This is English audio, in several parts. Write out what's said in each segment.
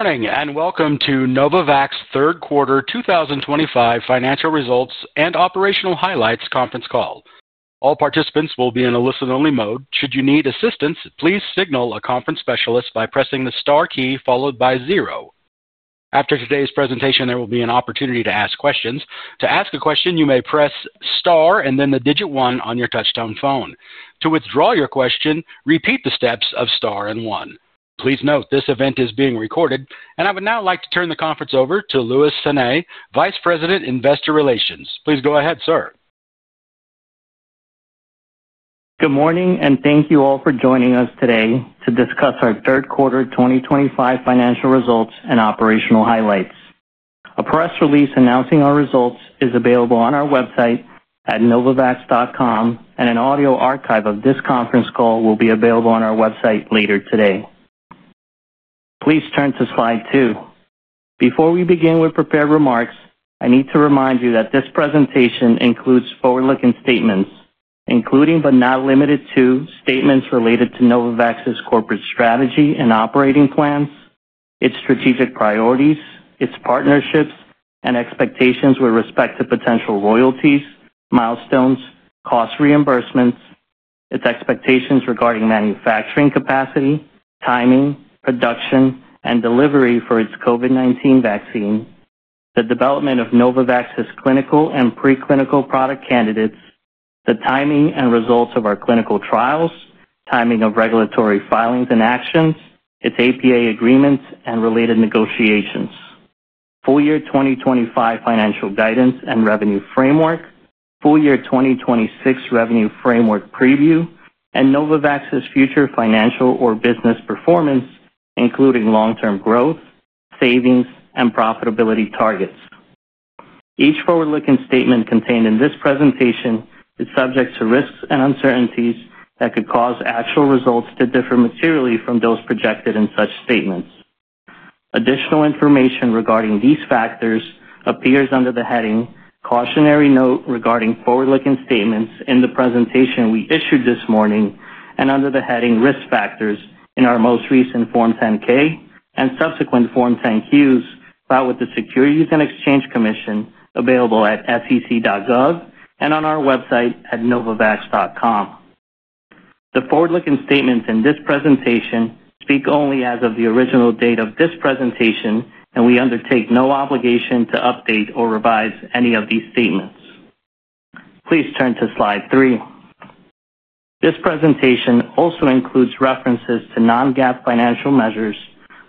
Morning and welcome to Novavax Third Quarter 2025 Financial Results and Operational Highlights Conference Call. All participants will be in a listen-only mode. Should you need assistance, please signal a conference specialist by pressing the star key followed by zero. After today's presentation, there will be an opportunity to ask questions. To ask a question, you may press star and then the digit one on your touch-tone phone. To withdraw your question, repeat the steps of star and one. Please note this event is being recorded, and I would now like to turn the conference over to Luis Sanay, Vice President, Investor Relations. Please go ahead, sir. Good morning and thank you all for joining us today to discuss our third quarter 2025 financial results and operational highlights. A press release announcing our results is available on our website at novavax.com, and an audio archive of this conference call will be available on our website later today. Please turn to slide two. Before we begin with prepared remarks, I need to remind you that this presentation includes forward-looking statements, including but not limited to statements related to Novavax's corporate strategy and operating plans, its strategic priorities, its partnerships and expectations with respect to potential royalties, milestones, cost reimbursements, its expectations regarding manufacturing capacity, timing, production, and delivery for its COVID-19 vaccine, the development of Novavax's clinical and preclinical product candidates, the timing and results of our clinical trials, timing of regulatory filings and actions, its APA agreements and related negotiations. Full year 2025 financial guidance and revenue framework, full year 2026 revenue framework preview, and Novavax's future financial or business performance, including long-term growth, savings, and profitability targets. Each forward-looking statement contained in this presentation is subject to risks and uncertainties that could cause actual results to differ materially from those projected in such statements. Additional information regarding these factors appears under the heading "Cautionary Note Regarding Forward-Looking Statements" in the presentation we issued this morning and under the heading "Risk Factors" in our most recent Form 10-K and subsequent Form 10-Qs filed with the Securities and Exchange Commission available at sec.gov and on our website at novavax.com. The forward-looking statements in this presentation speak only as of the original date of this presentation, and we undertake no obligation to update or revise any of these statements. Please turn to slide three. This presentation also includes references to non-GAAP financial measures,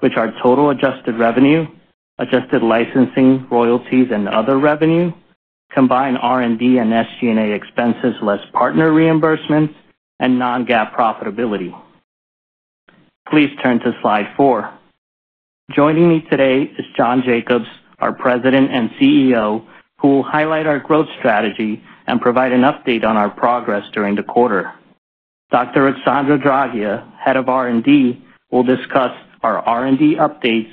which are total adjusted revenue, adjusted licensing, royalties, and other revenue, combined R&D and SG&A expenses less partner reimbursements, and non-GAAP profitability. Please turn to slide four. Joining me today is John Jacobs, our President and CEO, who will highlight our growth strategy and provide an update on our progress during the quarter. Dr. Ruxandra Draghia, Head of R&D, will discuss our R&D updates,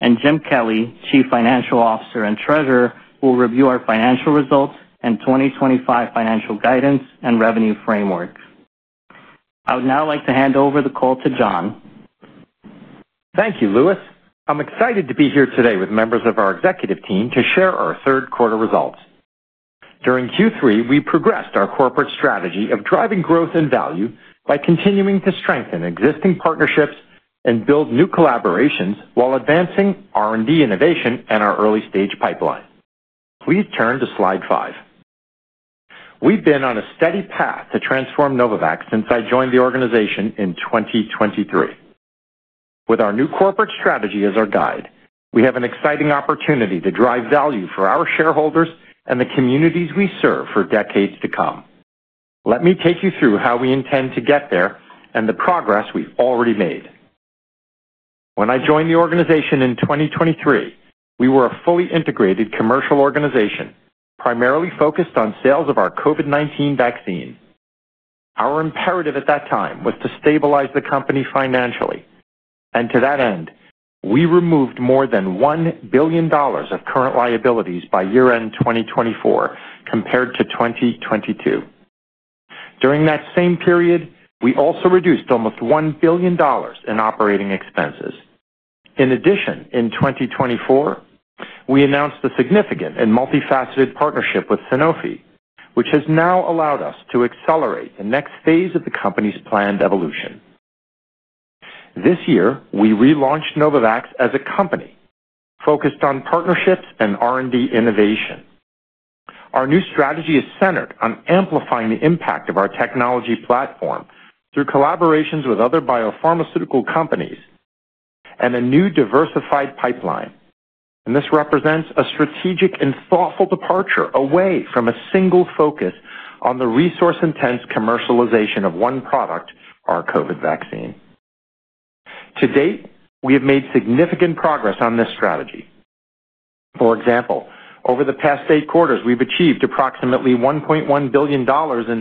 and Jim Kelly, Chief Financial Officer and Treasurer, will review our financial results and 2025 financial guidance and revenue framework. I would now like to hand over the call to John. Thank you, Luis. I'm excited to be here today with members of our executive team to share our third quarter results. During Q3, we progressed our corporate strategy of driving growth and value by continuing to strengthen existing partnerships and build new collaborations while advancing R&D innovation and our early-stage pipeline. Please turn to slide five. We've been on a steady path to transform Novavax since I joined the organization in 2023. With our new corporate strategy as our guide, we have an exciting opportunity to drive value for our shareholders and the communities we serve for decades to come. Let me take you through how we intend to get there and the progress we've already made. When I joined the organization in 2023, we were a fully integrated commercial organization primarily focused on sales of our COVID-19 vaccine. Our imperative at that time was to stabilize the company financially, and to that end, we removed more than $1 billion of current liabilities by year-end 2024 compared to 2022. During that same period, we also reduced almost $1 billion in operating expenses. In addition, in 2024, we announced a significant and multifaceted partnership with Sanofi, which has now allowed us to accelerate the next phase of the company's planned evolution. This year, we relaunched Novavax as a company focused on partnerships and R&D innovation. Our new strategy is centered on amplifying the impact of our technology platform through collaborations with other biopharmaceutical companies and a new diversified pipeline, and this represents a strategic and thoughtful departure away from a single focus on the resource-intense commercialization of one product, our COVID-19 vaccine. To date, we have made significant progress on this strategy. For example, over the past eight quarters, we've achieved approximately $1.1 billion in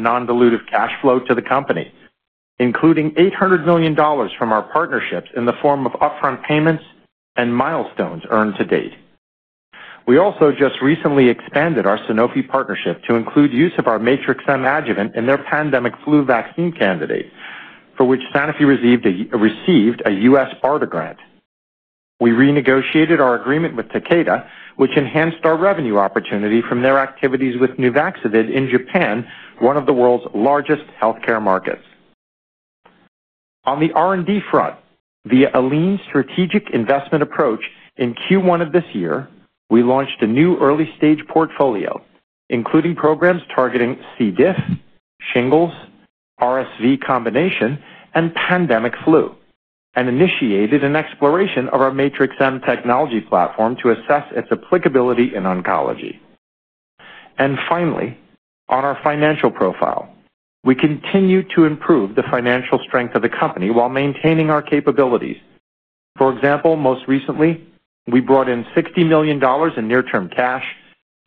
non-dilutive cash flow to the company, including $800 million from our partnerships in the form of upfront payments and milestones earned to date. We also just recently expanded our Sanofi partnership to include use of our Matrix-M adjuvant in their pandemic flu vaccine candidate, for which Sanofi received a US BARDA grant. We renegotiated our agreement with Takeda, which enhanced our revenue opportunity from their activities with Nuvaxovid in Japan, one of the world's largest healthcare markets. On the R&D front, via a lean strategic investment approach in Q1 of this year, we launched a new early-stage portfolio, including programs targeting C. diff, shingles, RSV combination, and pandemic flu, and initiated an exploration of our Matrix-M technology platform to assess its applicability in oncology. Finally, on our financial profile, we continue to improve the financial strength of the company while maintaining our capabilities. For example, most recently, we brought in $60 million in near-term cash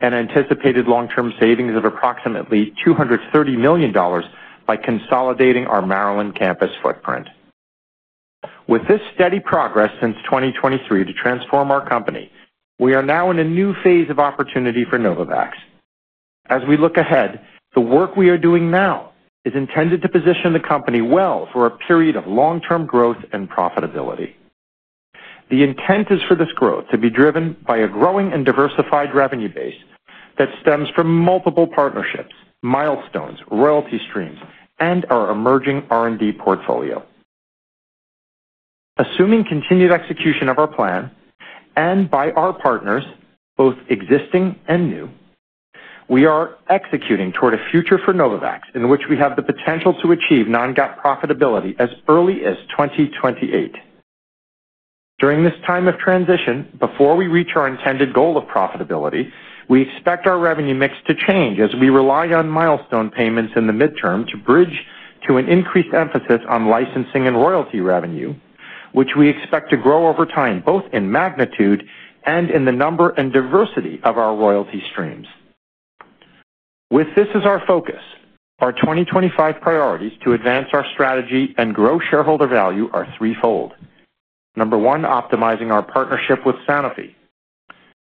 and anticipated long-term savings of approximately $230 million by consolidating our Maryland campus footprint. With this steady progress since 2023 to transform our company, we are now in a new phase of opportunity for Novavax. As we look ahead, the work we are doing now is intended to position the company well for a period of long-term growth and profitability. The intent is for this growth to be driven by a growing and diversified revenue base that stems from multiple partnerships, milestones, royalty streams, and our emerging R&D portfolio. Assuming continued execution of our plan and by our partners, both existing and new. We are executing toward a future for Novavax in which we have the potential to achieve non-GAAP profitability as early as 2028. During this time of transition, before we reach our intended goal of profitability, we expect our revenue mix to change as we rely on milestone payments in the midterm to bridge to an increased emphasis on licensing and royalty revenue, which we expect to grow over time both in magnitude and in the number and diversity of our royalty streams. With this as our focus, our 2025 priorities to advance our strategy and grow shareholder value are threefold. Number one, optimizing our partnership with Sanofi.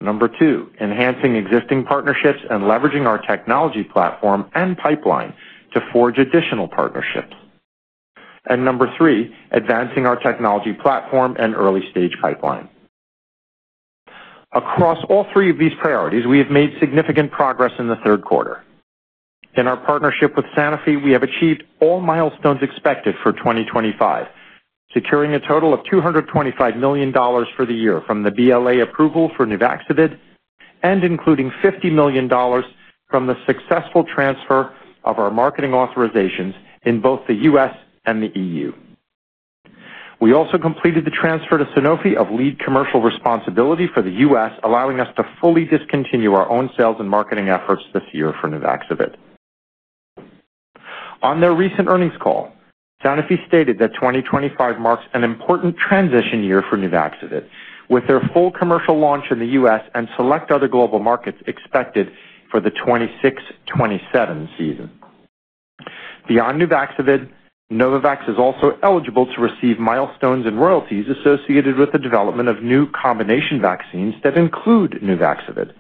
Number two, enhancing existing partnerships and leveraging our technology platform and pipeline to forge additional partnerships. Number three, advancing our technology platform and early-stage pipeline. Across all three of these priorities, we have made significant progress in the third quarter. In our partnership with Sanofi, we have achieved all milestones expected for 2025, securing a total of $225 million for the year from the BLA approval for Nuvaxovid and including $50 million from the successful transfer of our marketing authorizations in both the U.S. and the European Union. We also completed the transfer to Sanofi of lead commercial responsibility for the U.S., allowing us to fully discontinue our own sales and marketing efforts this year for Nuvaxovid. On their recent earnings call, Sanofi stated that 2025 marks an important transition year for Nuvaxovid, with their full commercial launch in the U.S. and select other global markets expected for the 2026-2027 season. Beyond Nuvaxovid, Novavax is also eligible to receive milestones and royalties associated with the development of new combination vaccines that include Nuvaxovid.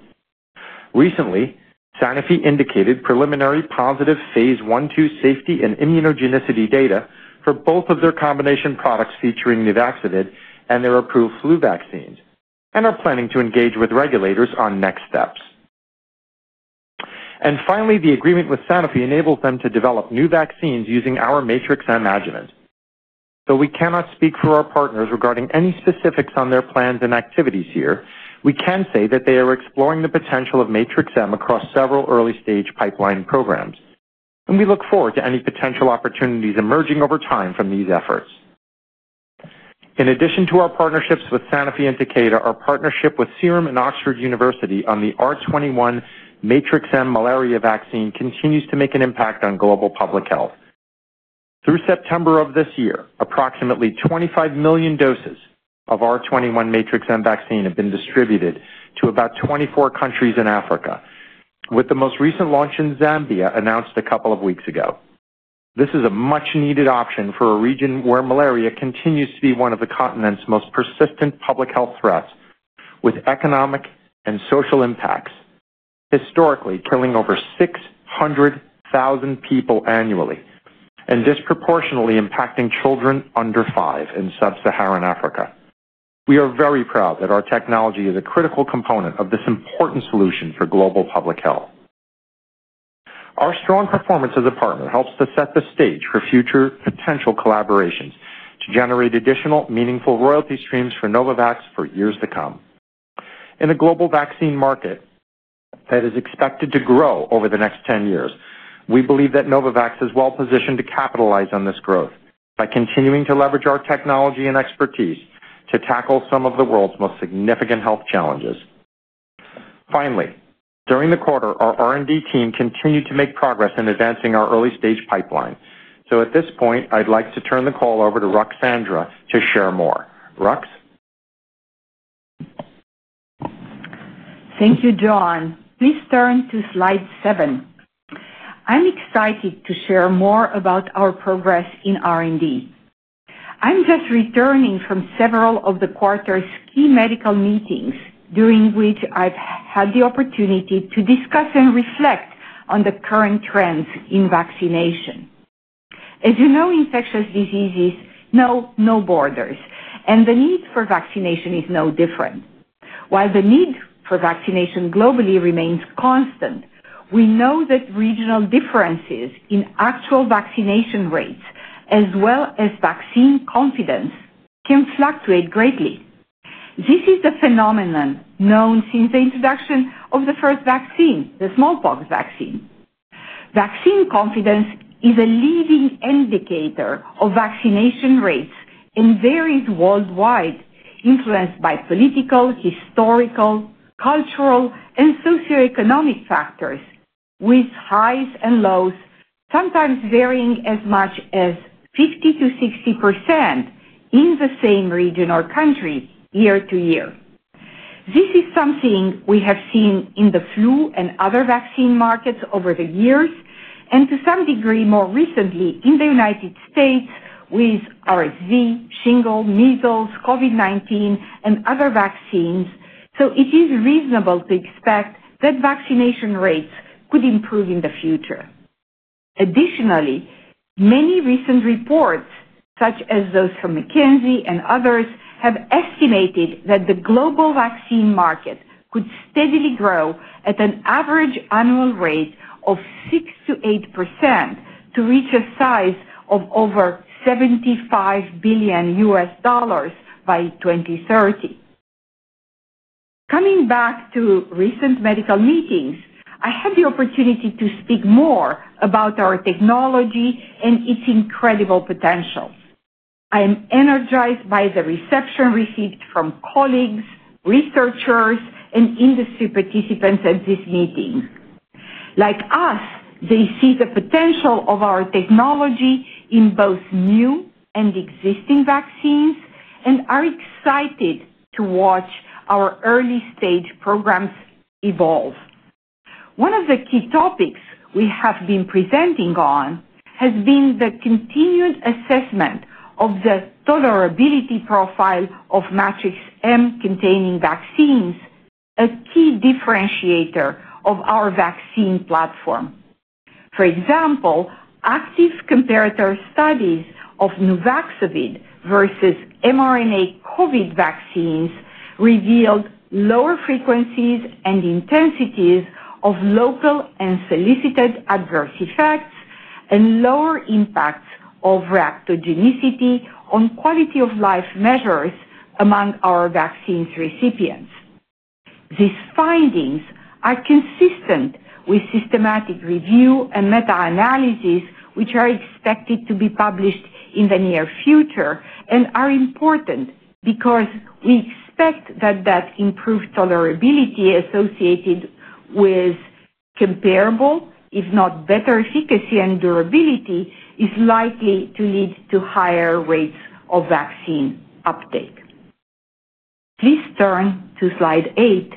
Recently, Sanofi indicated preliminary positive phase I-II safety and immunogenicity data for both of their combination products featuring Nuvaxovid and their approved flu vaccines, and are planning to engage with regulators on next steps. The agreement with Sanofi enables them to develop new vaccines using our Matrix-M adjuvant. Though we cannot speak for our partners regarding any specifics on their plans and activities here, we can say that they are exploring the potential of Matrix-M across several early-stage pipeline programs, and we look forward to any potential opportunities emerging over time from these efforts. In addition to our partnerships with Sanofi and Takeda, our partnership with Serum Institute of India and Oxford University on the R21 Matrix-M malaria vaccine continues to make an impact on global public health. Through September of this year, approximately 25 million doses of R21 Matrix-M vaccine have been distributed to about 24 countries in Africa, with the most recent launch in Zambia announced a couple of weeks ago. This is a much-needed option for a region where malaria continues to be one of the continent's most persistent public health threats, with economic and social impacts, historically killing over 600,000 people annually and disproportionately impacting children under five in sub-Saharan Africa. We are very proud that our technology is a critical component of this important solution for global public health. Our strong performance as a partner helps to set the stage for future potential collaborations to generate additional meaningful royalty streams for Novavax for years to come in a global vaccine market. That is expected to grow over the next 10 years, we believe that Novavax is well-positioned to capitalize on this growth by continuing to leverage our technology and expertise to tackle some of the world's most significant health challenges. Finally, during the quarter, our R&D team continued to make progress in advancing our early-stage pipeline. At this point, I'd like to turn the call over to Ruxandra to share more. Rux. Thank you, John. Please turn to slide seven. I'm excited to share more about our progress in R&D. I'm just returning from several of the quarter's key medical meetings during which I've had the opportunity to discuss and reflect on the current trends in vaccination. As you know, infectious diseases know no borders, and the need for vaccination is no different. While the need for vaccination globally remains constant, we know that regional differences in actual vaccination rates, as well as vaccine confidence, can fluctuate greatly. This is a phenomenon known since the introduction of the first vaccine, the smallpox vaccine. Vaccine confidence is a leading indicator of vaccination rates in areas worldwide influenced by political, historical, cultural, and socioeconomic factors, with highs and lows sometimes varying as much as 50%-60% in the same region or country year to year. This is something we have seen in the flu and other vaccine markets over the years, and to some degree more recently in the U.S. with RSV, shingles, measles, COVID-19, and other vaccines. It is reasonable to expect that vaccination rates could improve in the future. Additionally, many recent reports, such as those from McKinsey and others, have estimated that the global vaccine market could steadily grow at an average annual rate of 6%-8% to reach a size of over $75 billion by 2030. Coming back to recent medical meetings, I had the opportunity to speak more about our technology and its incredible potential. I am energized by the reception received from colleagues, researchers, and industry participants at these meetings. Like us, they see the potential of our technology in both new and existing vaccines and are excited to watch our early-stage programs evolve. One of the key topics we have been presenting on has been the continued assessment of the tolerability profile of Matrix-M containing vaccines, a key differentiator of our vaccine platform. For example, active comparator studies of Nuvaxovid versus mRNA COVID vaccines revealed lower frequencies and intensities of local and solicited adverse effects and lower impacts of reactogenicity on quality-of-life measures among our vaccine recipients. These findings are consistent with systematic review and meta-analyses, which are expected to be published in the near future and are important because we expect that improved tolerability associated with comparable, if not better, efficacy and durability is likely to lead to higher rates of vaccine uptake. Please turn to slide eight.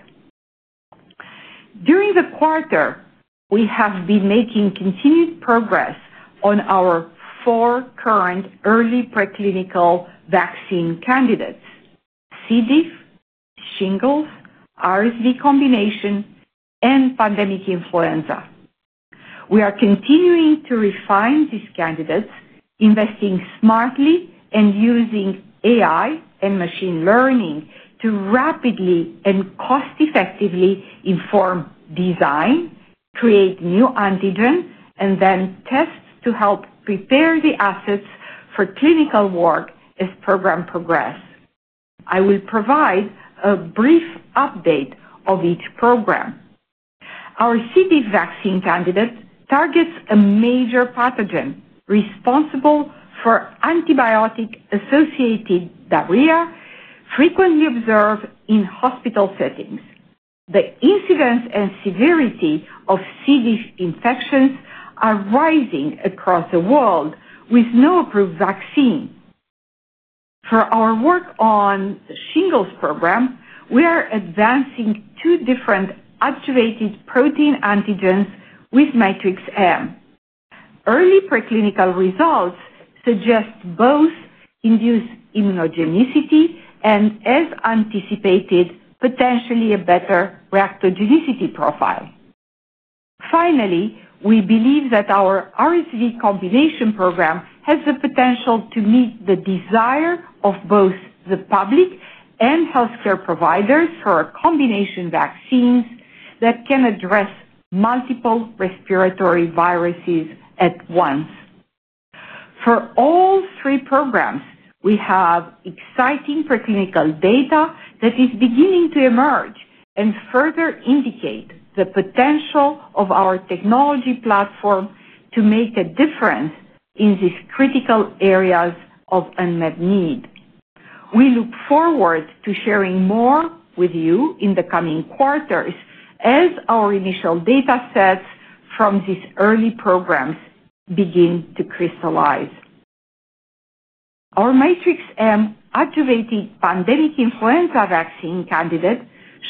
During the quarter, we have been making continued progress on our four current early preclinical vaccine candidates. C. diff, shingles, RSV combination, and pandemic influenza. We are continuing to refine these candidates, investing smartly and using AI and machine learning to rapidly and cost-effectively inform design, create new antigen, and then test to help prepare the assets for clinical work as programs progress. I will provide a brief update of each program. Our C. diff vaccine candidate targets a major pathogen responsible for antibiotic-associated diarrhea, frequently observed in hospital settings. The incidence and severity of C. diff infections are rising across the world with no approved vaccine. For our work on the shingles program, we are advancing two different activated protein antigens with Matrix-M. Early preclinical results suggest both induced immunogenicity and, as anticipated, potentially a better reactogenicity profile. Finally, we believe that our RSV combination program has the potential to meet the desire of both the public and healthcare providers for a combination vaccine that can address multiple respiratory viruses at once. For all three programs, we have exciting preclinical data that is beginning to emerge and further indicate the potential of our technology platform to make a difference in these critical areas of unmet need. We look forward to sharing more with you in the coming quarters as our initial data sets from these early programs begin to crystallize. Our Matrix-M activated pandemic influenza vaccine candidate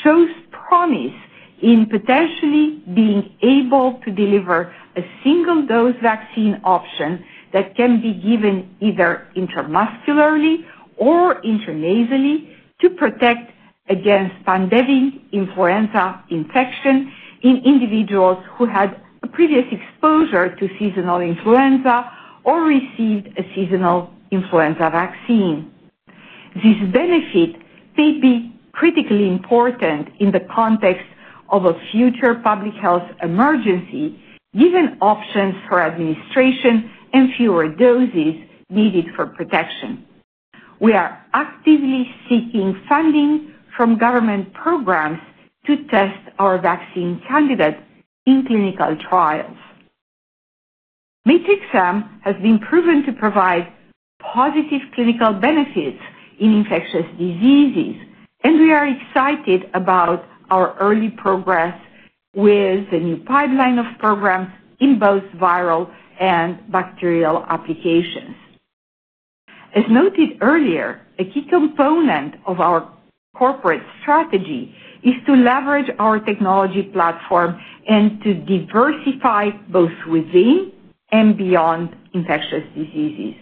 shows promise in potentially being able to deliver a single-dose vaccine option that can be given either intramuscularly or intranasally to protect against pandemic influenza infection in individuals who had a previous exposure to seasonal influenza or received a seasonal influenza vaccine. This benefit may be critically important in the context of a future public health emergency, given options for administration and fewer doses needed for protection. We are actively seeking funding from government programs to test our vaccine candidate in clinical trials. Matrix-M has been proven to provide positive clinical benefits in infectious diseases, and we are excited about our early progress with the new pipeline of programs in both viral and bacterial applications. As noted earlier, a key component of our corporate strategy is to leverage our technology platform and to diversify both within and beyond infectious diseases.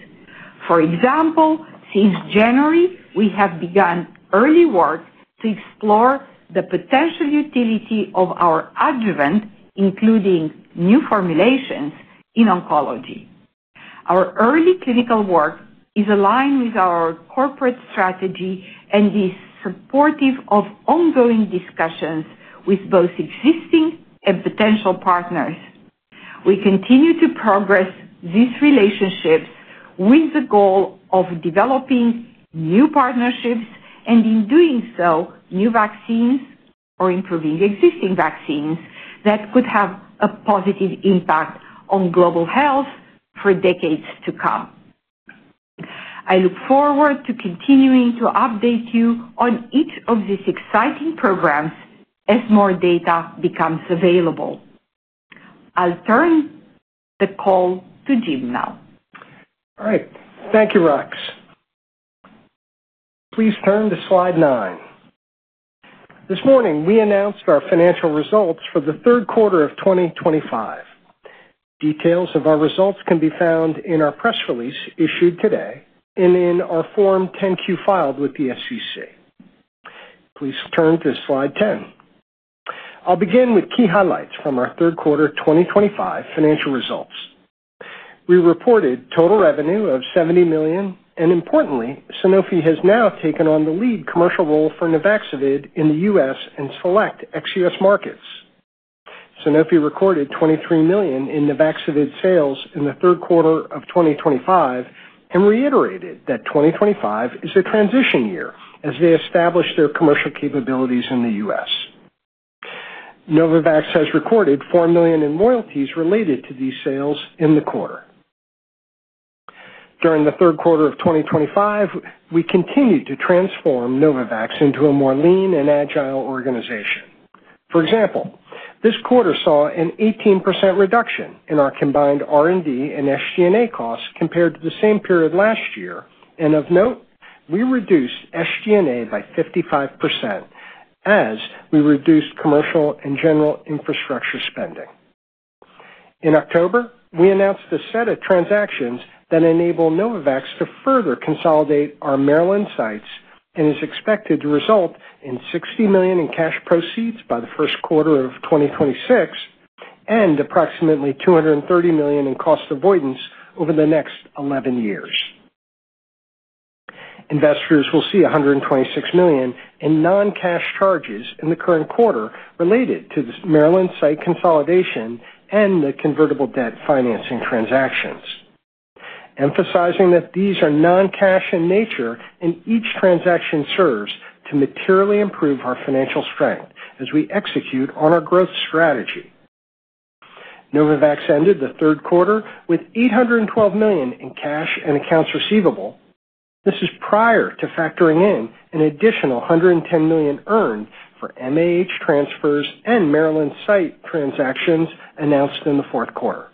For example, since January, we have begun early work to explore the potential utility of our adjuvant, including new formulations in oncology. Our early clinical work is aligned with our corporate strategy and is supportive of ongoing discussions with both existing and potential partners. We continue to progress these relationships with the goal of developing new partnerships and, in doing so, new vaccines or improving existing vaccines that could have a positive impact on global health for decades to come. I look forward to continuing to update you on each of these exciting programs as more data becomes available. I'll turn the call to Jim now. All right. Thank you, Rux. Please turn to slide nine. This morning, we announced our financial results for the third quarter of 2025. Details of our results can be found in our press release issued today and in our Form 10-Q filed with the SEC. Please turn to slide 10. I'll begin with key highlights from our third quarter 2025 financial results. We reported total revenue of $70 million, and importantly, Sanofi has now taken on the lead commercial role for Nuvaxovid in the U.S. and select ex-U.S. markets. Sanofi recorded $23 million in Nuvaxovid sales in the third quarter of 2025 and reiterated that 2025 is a transition year as they establish their commercial capabilities in the U.S. Novavax has recorded $4 million in royalties related to these sales in the quarter. During the third quarter of 2025, we continued to transform Novavax into a more lean and agile organization. For example, this quarter saw an 18% reduction in our combined R&D and SG&A costs compared to the same period last year. Of note, we reduced SG&A by 55% as we reduced commercial and general infrastructure spending. In October, we announced a set of transactions that enable Novavax to further consolidate our Maryland sites and is expected to result in $60 million in cash proceeds by the first quarter of 2026 and approximately $230 million in cost avoidance over the next 11 years. Investors will see $126 million in non-cash charges in the current quarter related to the Maryland site consolidation and the convertible debt financing transactions. These are non-cash in nature, and each transaction serves to materially improve our financial strength as we execute on our growth strategy. Novavax ended the third quarter with $812 million in cash and accounts receivable. This is prior to factoring in an additional $110 million earned for MAH transfers and Maryland site transactions announced in the fourth quarter.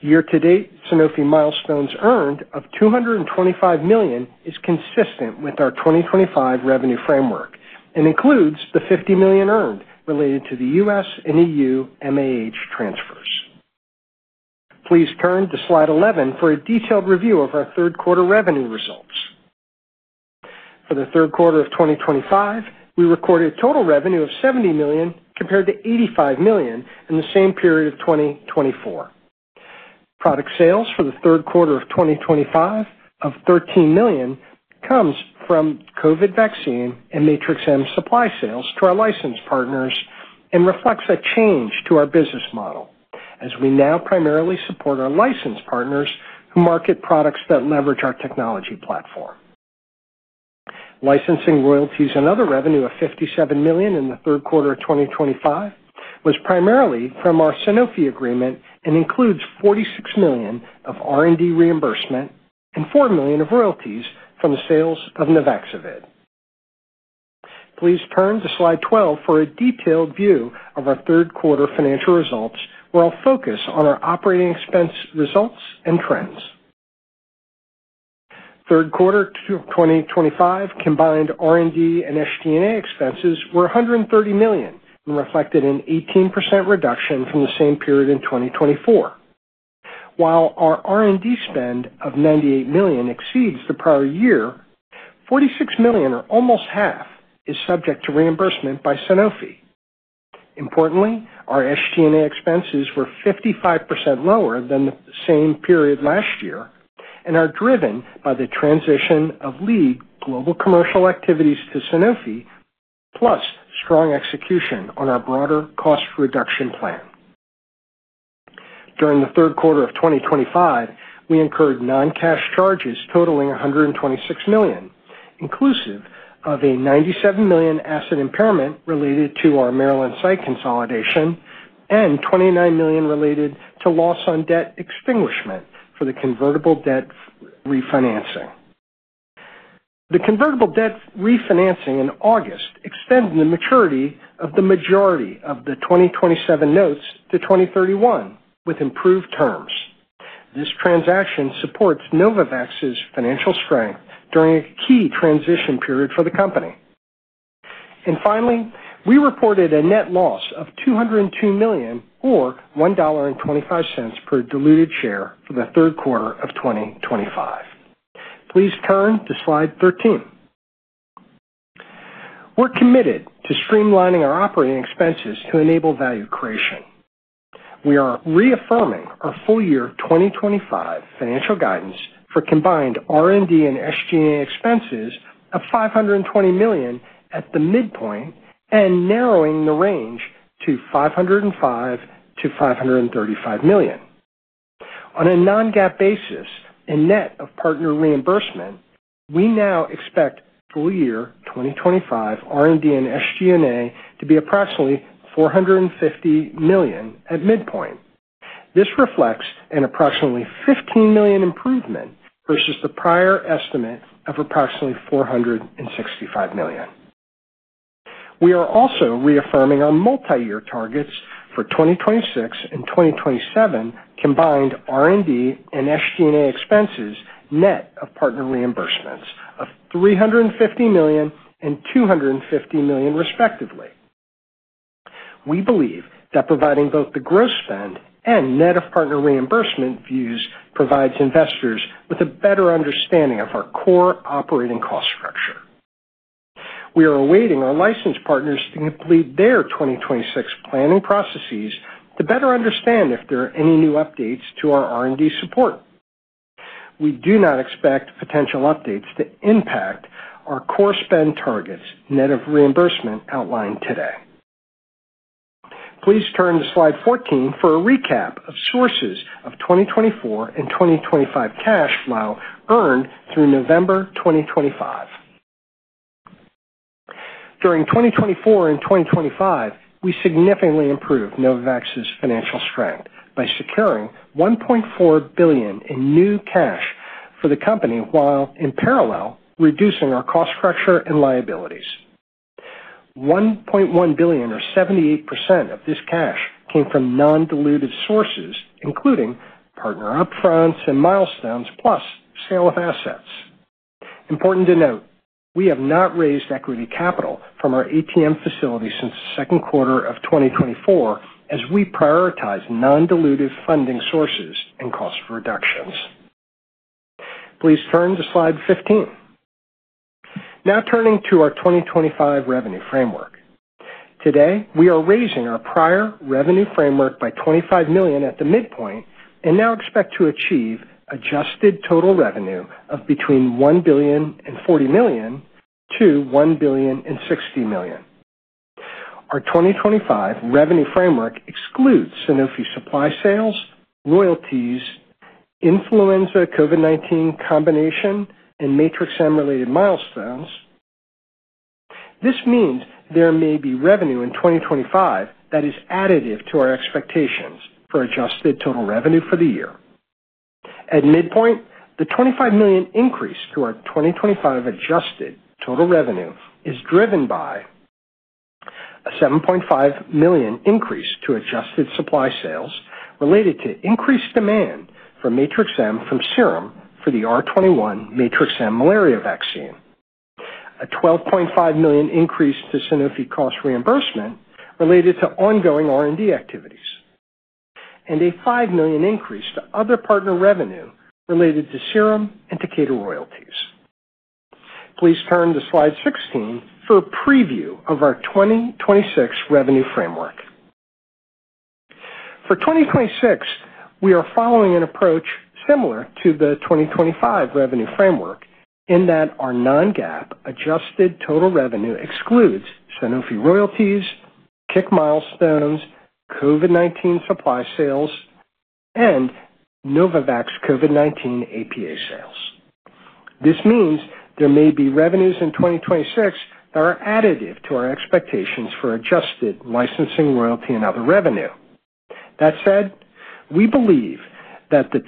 Year-to-date, Sanofi milestones earned of $225 million is consistent with our 2025 revenue framework and includes the $50 million earned related to the US and EU MAH transfers. Please turn to slide 11 for a detailed review of our third quarter revenue results. For the third quarter of 2025, we recorded total revenue of $70 million compared to $85 million in the same period of 2024. Product sales for the third quarter of 2025 of $13 million comes from COVID-19 vaccine and Matrix-M supply sales to our licensed partners and reflects a change to our business model as we now primarily support our licensed partners who market products that leverage our technology platform. Licensing royalties and other revenue of $57 million in the third quarter of 2025 was primarily from our Sanofi agreement and includes $46 million of R&D reimbursement and $4 million of royalties from the sales of Nuvaxovid. Please turn to slide 12 for a detailed view of our third quarter financial results, where I'll focus on our operating expense results and trends. Third quarter of 2025 combined R&D and SG&A expenses were $130 million and reflected an 18% reduction from the same period in 2024. While our R&D spend of $98 million exceeds the prior year, $46 million, or almost half, is subject to reimbursement by Sanofi. Importantly, our SG&A expenses were 55% lower than the same period last year and are driven by the transition of lead global commercial activities to Sanofi, plus strong execution on our broader cost reduction plan. During the third quarter of 2025, we incurred non-cash charges totaling $126 million, inclusive of a $97 million asset impairment related to our Maryland site consolidation and $29 million related to loss on debt extinguishment for the convertible debt refinancing. The convertible debt refinancing in August extended the maturity of the majority of the 2027 notes to 2031 with improved terms. This transaction supports Novavax's financial strength during a key transition period for the company. Finally, we reported a net loss of $202 million, or $1.25 per diluted share, for the third quarter of 2025. Please turn to slide 13. We are committed to streamlining our operating expenses to enable value creation. We are reaffirming our full year 2025 financial guidance for combined R&D and SG&A expenses of $520 million at the midpoint and narrowing the range to $505-$535 million. On a non-GAAP basis and net of partner reimbursement, we now expect full year 2025 R&D and SG&A to be approximately $450 million at midpoint. This reflects an approximately $15 million improvement versus the prior estimate of approximately $465 million. We are also reaffirming our multi-year targets for 2026 and 2027 combined R&D and SG&A expenses net of partner reimbursements of $350 million and $250 million, respectively. We believe that providing both the gross spend and net of partner reimbursement views provides investors with a better understanding of our core operating cost structure. We are awaiting our licensed partners to complete their 2026 planning processes to better understand if there are any new updates to our R&D support. We do not expect potential updates to impact our core spend targets net of reimbursement outlined today. Please turn to slide 14 for a recap of sources of 2024 and 2025 cash flow earned through November 2025. During 2024 and 2025, we significantly improved Novavax's financial strength by securing $1.4 billion in new cash for the company while in parallel reducing our cost structure and liabilities. $1.1 billion, or 78% of this cash, came from non-dilutive sources, including partner upfronts and milestones, plus sale of assets. Important to note, we have not raised equity capital from our ATM facility since the second quarter of 2024 as we prioritize non-dilutive funding sources and cost reductions. Please turn to slide 15. Now turning to our 2025 revenue framework. Today, we are raising our prior revenue framework by $25 million at the midpoint and now expect to achieve adjusted total revenue of between $1,040 million and $1,060 million. Our 2025 revenue framework excludes Sanofi supply sales, royalties, influenza COVID-19 combination, and Matrix-M related milestones. This means there may be revenue in 2025 that is additive to our expectations for adjusted total revenue for the year. At midpoint, the $25 million increase to our 2025 adjusted total revenue is driven by a $7.5 million increase to adjusted supply sales related to increased demand for Matrix-M from Serum for the R21 Matrix-M malaria vaccine, a $12.5 million increase to Sanofi cost reimbursement related to ongoing R&D activities, and a $5 million increase to other partner revenue related to Serum and Decatur royalties. Please turn to slide 16 for a preview of our 2026 revenue framework. For 2026, we are following an approach similar to the 2025 revenue framework in that our non-GAAP adjusted total revenue excludes Sanofi royalties, KICK milestones, COVID-19 supply sales, and Novavax COVID-19 APA sales. This means there may be revenues in 2026 that are additive to our expectations for adjusted licensing royalty and other revenue. That said, we believe that the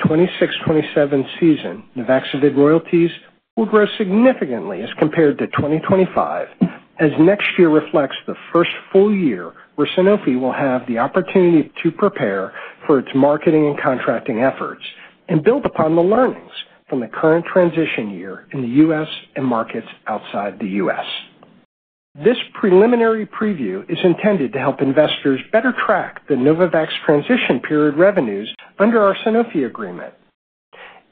2026-2027 season Novavax royalties will grow significantly as compared to 2025, as next year reflects the first full year where Sanofi will have the opportunity to prepare for its marketing and contracting efforts and build upon the learnings from the current transition year in the U.S. and markets outside the U.S. This preliminary preview is intended to help investors better track the Novavax transition period revenues under our Sanofi agreement.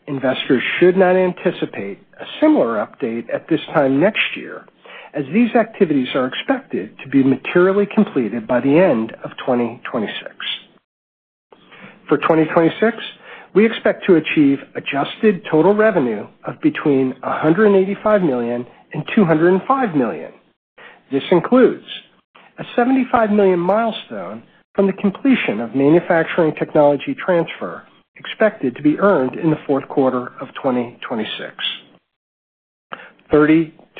Investors should not anticipate a similar update at this time next year, as these activities are expected to be materially completed by the end of 2026. For 2026, we expect to achieve adjusted total revenue of between $185 million and $205 million. This includes a $75 million milestone from the completion of manufacturing technology transfer expected to be earned in the fourth quarter of 2026.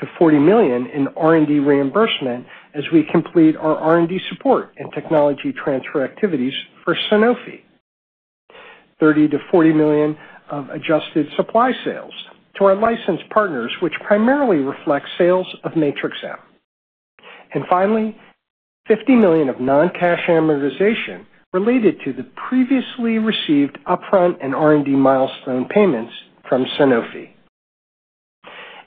$30-$40 million in R&D reimbursement as we complete our R&D support and technology transfer activities for Sanofi. $30-$40 million of adjusted supply sales to our licensed partners, which primarily reflects sales of Matrix-M. Finally, $50 million of non-cash amortization related to the previously received upfront and R&D milestone payments from Sanofi.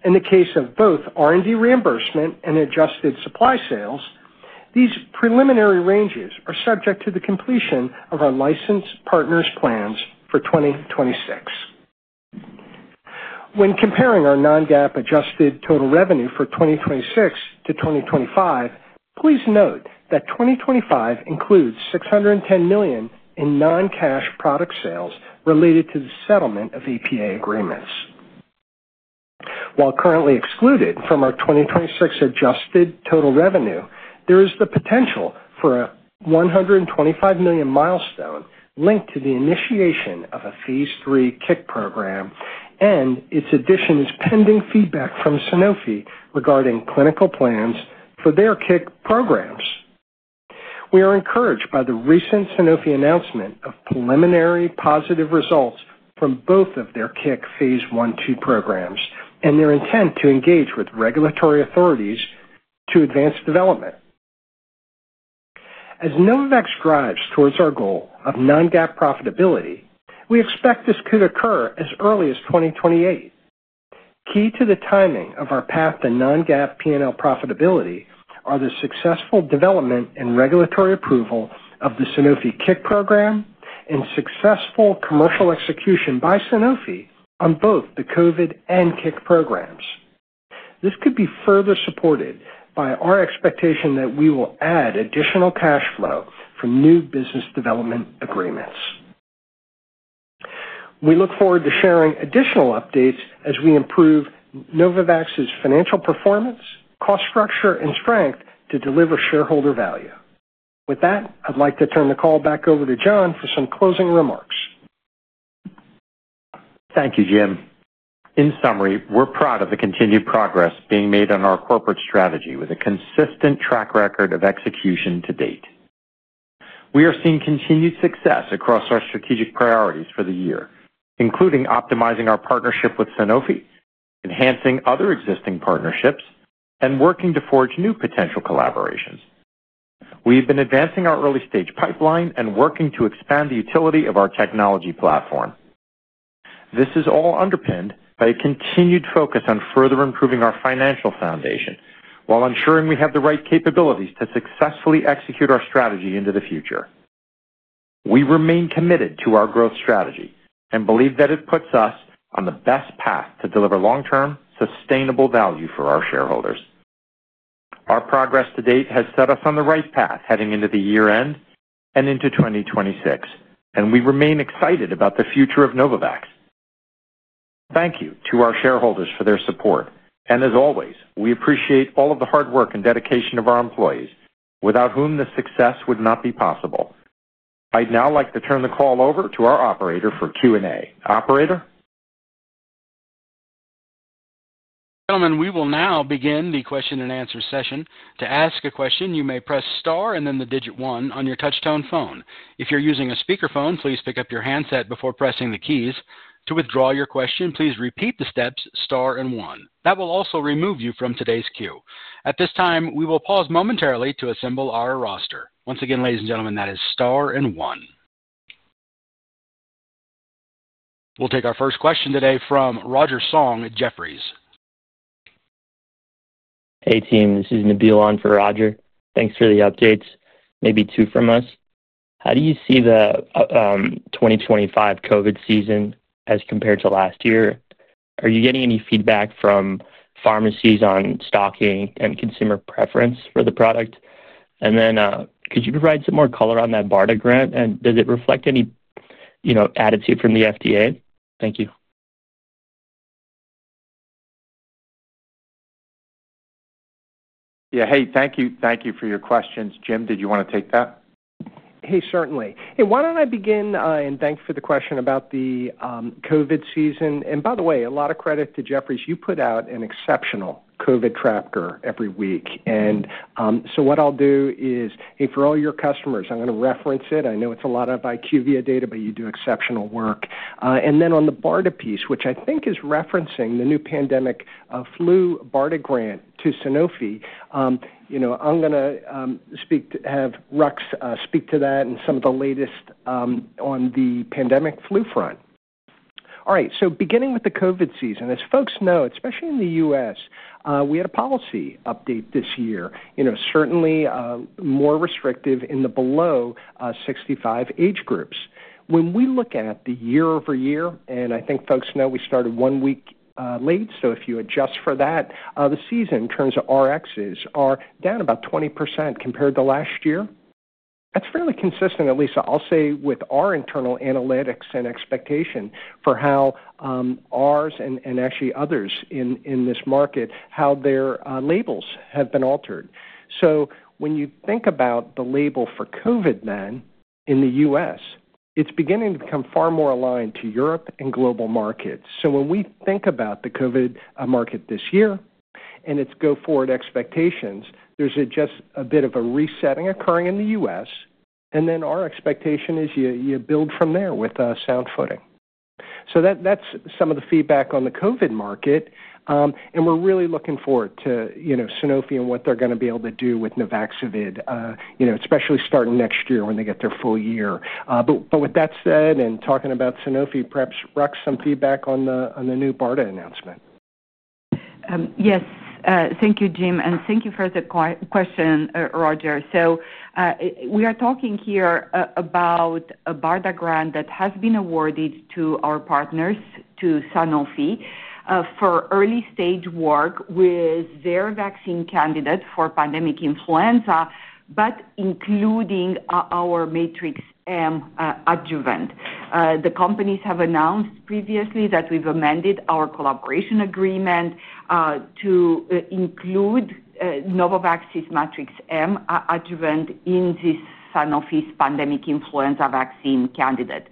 In the case of both R&D reimbursement and adjusted supply sales, these preliminary ranges are subject to the completion of our licensed partners' plans for 2026. When comparing our non-GAAP adjusted total revenue for 2026-2025, please note that 2025 includes $610 million in non-cash product sales related to the settlement of APA agreements. While currently excluded from our 2026 adjusted total revenue, there is the potential for a $125 million milestone linked to the initiation of a phase III KICK program, and its addition is pending feedback from Sanofi regarding clinical plans for their KICK programs. We are encouraged by the recent Sanofi announcement of preliminary positive results from both of their KICK phase I-II programs and their intent to engage with regulatory authorities to advance development. As Novavax drives towards our goal of non-GAAP profitability, we expect this could occur as early as 2028. Key to the timing of our path to non-GAAP P&L profitability are the successful development and regulatory approval of the Sanofi KICK program and successful commercial execution by Sanofi on both the COVID and KICK programs. This could be further supported by our expectation that we will add additional cash flow from new business development agreements. We look forward to sharing additional updates as we improve Novavax's financial performance, cost structure, and strength to deliver shareholder value. With that, I'd like to turn the call back over to John for some closing remarks. Thank you, Jim. In summary, we're proud of the continued progress being made on our corporate strategy with a consistent track record of execution to date. We are seeing continued success across our strategic priorities for the year, including optimizing our partnership with Sanofi, enhancing other existing partnerships, and working to forge new potential collaborations. We have been advancing our early-stage pipeline and working to expand the utility of our technology platform. This is all underpinned by a continued focus on further improving our financial foundation while ensuring we have the right capabilities to successfully execute our strategy into the future. We remain committed to our growth strategy and believe that it puts us on the best path to deliver long-term sustainable value for our shareholders. Our progress to date has set us on the right path heading into the year-end and into 2026, and we remain excited about the future of Novavax. Thank you to our shareholders for their support, and as always, we appreciate all of the hard work and dedication of our employees, without whom this success would not be possible. I'd now like to turn the call over to our operator for Q&A. Operator. Gentlemen, we will now begin the question and answer session. To ask a question, you may press star and then the digit one on your touch-tone phone. If you're using a speakerphone, please pick up your handset before pressing the keys. To withdraw your question, please repeat the steps star and one. That will also remove you from today's queue. At this time, we will pause momentarily to assemble our roster. Once again, ladies and gentlemen, that is star and one. We'll take our first question today from Roger Song at Jefferies. Hey, team. This is Nabil on for Roger. Thanks for the updates. Maybe two from us. How do you see the 2025 COVID season as compared to last year? Are you getting any feedback from pharmacies on stocking and consumer preference for the product? Could you provide some more color on that BARDA grant, and does it reflect any attitude from the FDA? Thank you. Yeah. Hey, thank you. Thank you for your questions. Jim, did you want to take that? Hey, certainly. Hey, why don't I begin and thank you for the question about the COVID season? By the way, a lot of credit to Jefferies. You put out an exceptional COVID tracker every week. What I'll do is, hey, for all your customers, I'm going to reference it. I know it's a lot of IQVIA data, but you do exceptional work. On the BARDA piece, which I think is referencing the new pandemic flu BARDA grant to Sanofi, I'm going to have Rux speak to that and some of the latest on the pandemic flu front. All right. Beginning with the COVID season, as folks know, especially in the U.S., we had a policy update this year, certainly more restrictive in the below-65 age groups. When we look at the year-over-year, and I think folks know we started one week late, so if you adjust for that, the season in terms of RXs are down about 20% compared to last year. That's fairly consistent, at least I'll say, with our internal analytics and expectation for how. Ours and actually others in this market, how their labels have been altered. When you think about the label for COVID then in the U.S., it's beginning to become far more aligned to Europe and global markets. When we think about the COVID market this year and its go-forward expectations, there's just a bit of a resetting occurring in the U.S. Our expectation is you build from there with sound footing. That's some of the feedback on the COVID market. We're really looking forward to. Sanofi and what they're going to be able to do with Novavax, especially starting next year when they get their full year. With that said and talking about Sanofi, perhaps Rux, some feedback on the new BARDA announcement. Yes. Thank you, Jim. Thank you for the question, Roger. We are talking here about a BARDA grant that has been awarded to our partners, to Sanofi, for early-stage work with their vaccine candidate for pandemic influenza, but including our Matrix-M adjuvant. The companies have announced previously that we've amended our collaboration agreement to include Novavax's Matrix-M adjuvant in this Sanofi pandemic influenza vaccine candidate.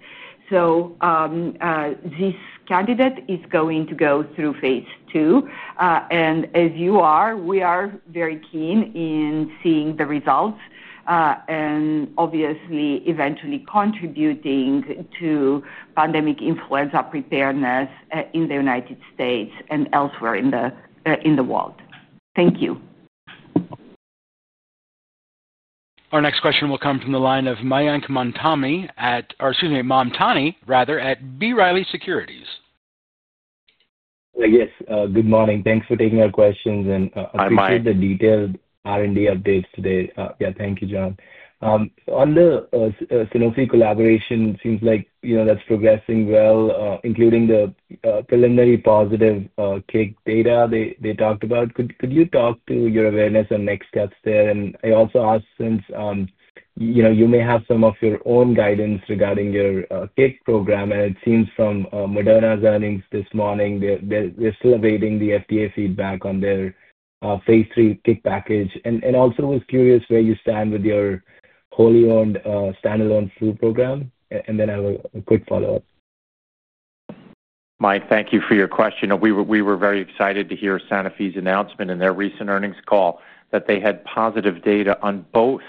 This candidate is going to go through phase II. As you are, we are very keen in seeing the results. Obviously, eventually contributing to pandemic influenza preparedness in the United States and elsewhere in the world. Thank you. Our next question will come from the line of Mayank Mamtani at, or excuse me, Mamtani, rather, at B. Riley Securities. Yes. Good morning. Thanks for taking our questions. Appreciate the detailed R&D updates today. Yeah. Thank you, John. On the Sanofi collaboration, it seems like that's progressing well, including the preliminary positive KICK data they talked about. Could you talk to your awareness and next steps there? I also asked since you may have some of your own guidance regarding your KICK program. It seems from Moderna's earnings this morning, they're still awaiting the FDA feedback on their phase III KICK package. I also was curious where you stand with your wholly-owned standalone flu program. I have a quick follow-up. Mike, thank you for your question. We were very excited to hear Sanofi's announcement in their recent earnings call that they had positive data on both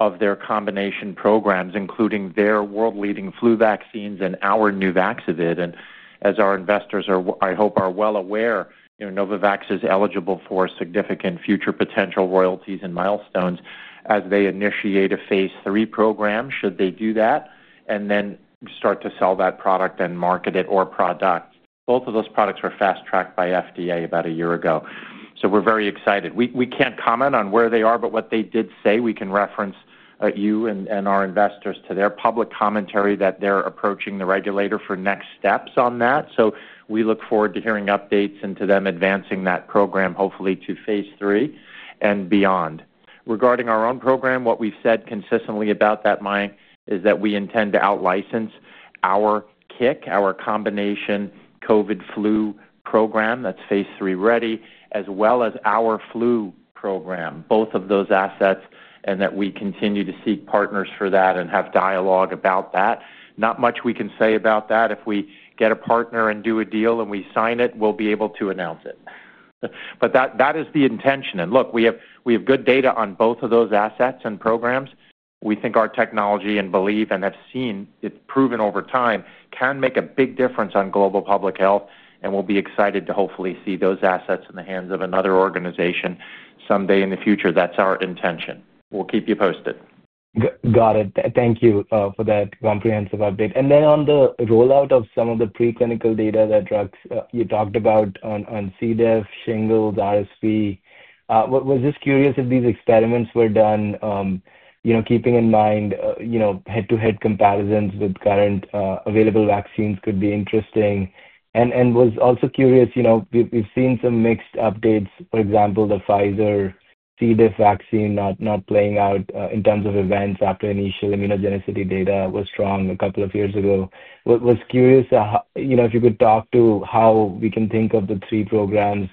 of their combination programs, including their world-leading flu vaccines and our new vaccine. As our investors, I hope, are well aware, Novavax is eligible for significant future potential royalties and milestones as they initiate a phase III program. Should they do that and then start to sell that product and market it or product? Both of those products were fast-tracked by FDA about a year ago. We are very excited. We cannot comment on where they are, but what they did say, we can reference you and our investors to their public commentary that they are approaching the regulator for next steps on that. We look forward to hearing updates and to them advancing that program, hopefully to phase III and beyond. Regarding our own program, what we've said consistently about that, Mike, is that we intend to out-license our KICK, our combination COVID flu program that's phase III ready, as well as our flu program, both of those assets, and that we continue to seek partners for that and have dialogue about that. Not much we can say about that. If we get a partner and do a deal and we sign it, we'll be able to announce it. That is the intention. Look, we have good data on both of those assets and programs. We think our technology and believe and have seen it proven over time can make a big difference on global public health, and we'll be excited to hopefully see those assets in the hands of another organization someday in the future. That's our intention. We'll keep you posted. Got it. Thank you for that comprehensive update. Then on the rollout of some of the preclinical data that you talked about on C. diff, shingles, RSV. Was just curious if these experiments were done keeping in mind head-to-head comparisons with current available vaccines could be interesting. Was also curious, we've seen some mixed updates, for example, the Pfizer C. diff vaccine not playing out in terms of events after initial immunogenicity data was strong a couple of years ago. Was curious if you could talk to how we can think of the three programs,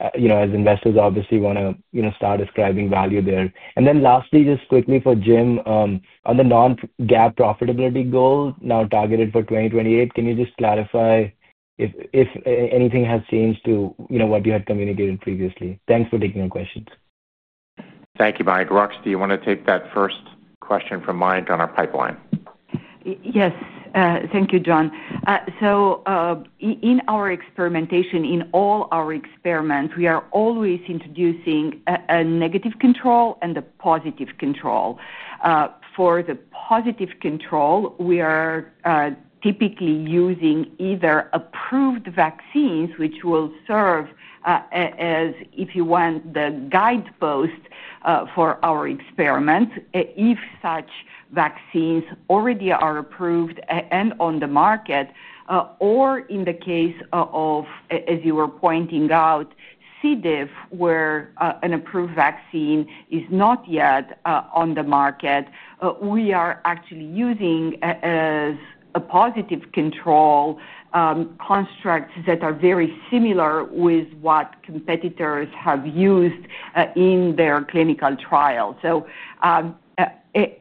as investors obviously want to start ascribing value there. Lastly, just quickly for Jim, on the non-GAAP profitability goal now targeted for 2028, can you just clarify if anything has changed to what you had communicated previously? Thanks for taking our questions. Thank you, Mike. Rux, do you want to take that first question from Mike on our pipeline? Yes. Thank you, John. In our experimentation, in all our experiments, we are always introducing a negative control and a positive control. For the positive control, we are typically using either approved vaccines, which will serve as, if you want, the guidepost for our experiments, if such vaccines already are approved and on the market. In the case of, as you were pointing out, C. diff, where an approved vaccine is not yet on the market, we are actually using a positive control, constructs that are very similar with what competitors have used in their clinical trials.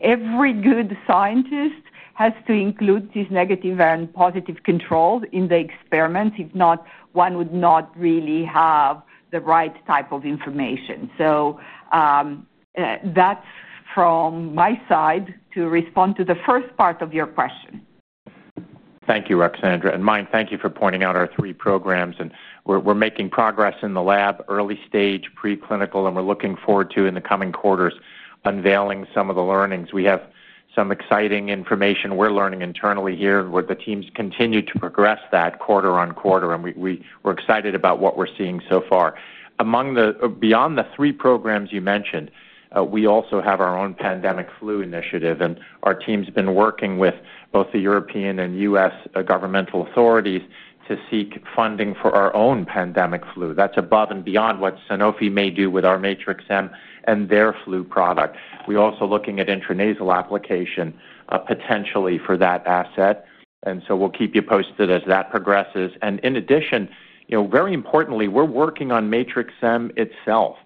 Every good scientist has to include these negative and positive controls in the experiments. If not, one would not really have the right type of information. That is from my side to respond to the first part of your question. Thank you, Rux and Andrea. Mike, thank you for pointing out our three programs. We're making progress in the lab, early stage, preclinical, and we're looking forward to, in the coming quarters, unveiling some of the learnings. We have some exciting information we're learning internally here where the teams continue to progress that quarter on quarter. We're excited about what we're seeing so far. Beyond the three programs you mentioned, we also have our own pandemic flu initiative. Our team's been working with both the European and U.S. governmental authorities to seek funding for our own pandemic flu. That's above and beyond what Sanofi may do with our Matrix-M and their flu product. We're also looking at intranasal application potentially for that asset. We'll keep you posted as that progresses. In addition, very importantly, we are working on Matrix-M itself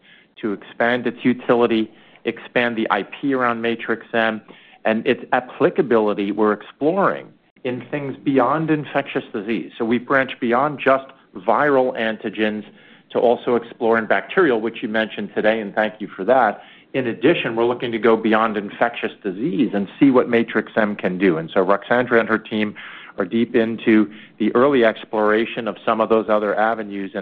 to expand its utility, expand the IP around Matrix-M, and its applicability we are exploring in things beyond infectious disease. We branch beyond just viral antigens to also explore in bacterial, which you mentioned today, and thank you for that. In addition, we are looking to go beyond infectious disease and see what Matrix-M can do. Ruxandra and her team are deep into the early exploration of some of those other avenues. We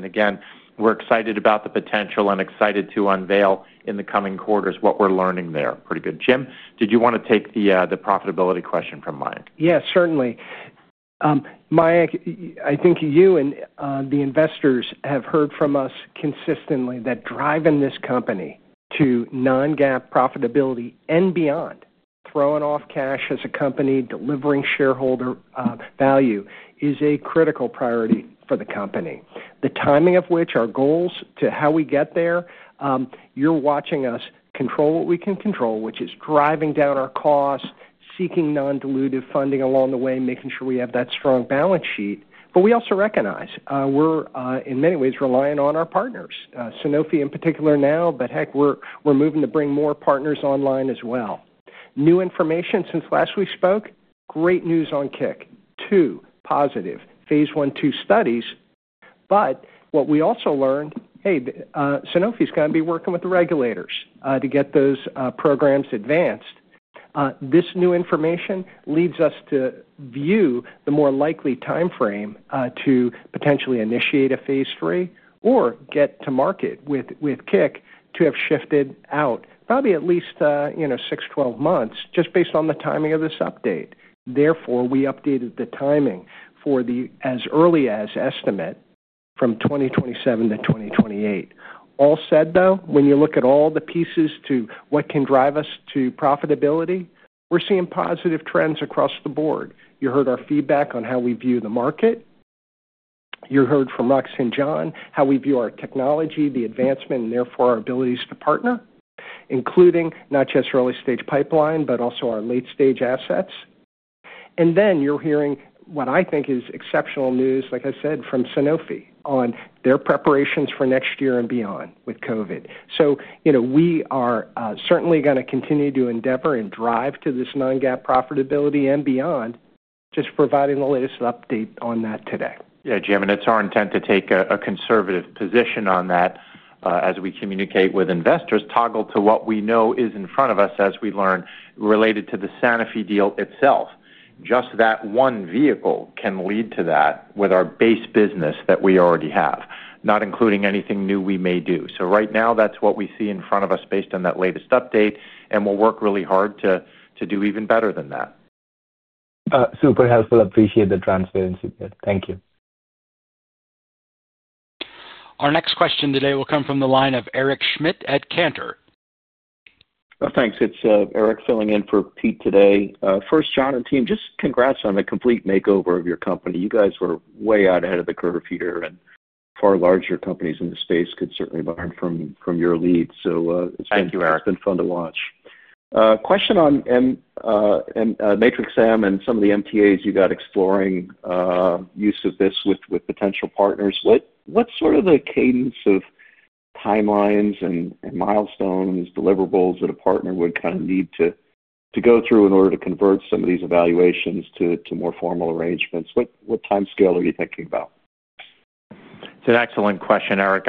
are excited about the potential and excited to unveil in the coming quarters what we are learning there. Pretty good. Jim, did you want to take the profitability question from Mike? Yeah, certainly. Mike, I think you and the investors have heard from us consistently that driving this company to non-GAAP profitability and beyond, throwing off cash as a company, delivering shareholder value, is a critical priority for the company. The timing of which, our goals to how we get there, you're watching us control what we can control, which is driving down our costs, seeking non-dilutive funding along the way, making sure we have that strong balance sheet. We also recognize we're, in many ways, relying on our partners, Sanofi in particular now, but heck, we're moving to bring more partners online as well. New information since last we spoke, great news on KICK, two positive phase I-II two studies. What we also learned, hey, Sanofi is going to be working with the regulators to get those programs advanced. This new information leads us to view the more likely timeframe to potentially initiate a phase III or get to market with KICK to have shifted out probably at least six, twelve months just based on the timing of this update. Therefore, we updated the timing for the as early as estimate from 2027 to 2028. All said, though, when you look at all the pieces to what can drive us to profitability, we're seeing positive trends across the board. You heard our feedback on how we view the market. You heard from Ruxandra and John how we view our technology, the advancement, and therefore our abilities to partner, including not just early stage pipeline, but also our late stage assets. You are hearing what I think is exceptional news, like I said, from Sanofi on their preparations for next year and beyond with COVID. We are certainly going to continue to endeavor and drive to this non-GAAP profitability and beyond, just providing the latest update on that today. Yeah, Jim. It is our intent to take a conservative position on that as we communicate with investors, toggle to what we know is in front of us as we learn related to the Sanofi deal itself. Just that one vehicle can lead to that with our base business that we already have, not including anything new we may do. Right now, that is what we see in front of us based on that latest update. We will work really hard to do even better than that. Super helpful. Appreciate the transparency there. Thank you. Our next question today will come from the line of Eric Schmidt at Cantor. Thanks. It's Eric filling in for Pete today. First, John and team, just congrats on a complete makeover of your company. You guys were way out ahead of the curve here. Far larger companies in the space could certainly learn from your leads. It has been fun to watch. Thank you, Eric. Question on Matrix-M and some of the MTAs you got exploring use of this with potential partners. What sort of the cadence of timelines and milestones, deliverables that a partner would kind of need to go through in order to convert some of these evaluations to more formal arrangements? What timescale are you thinking about? It's an excellent question, Eric.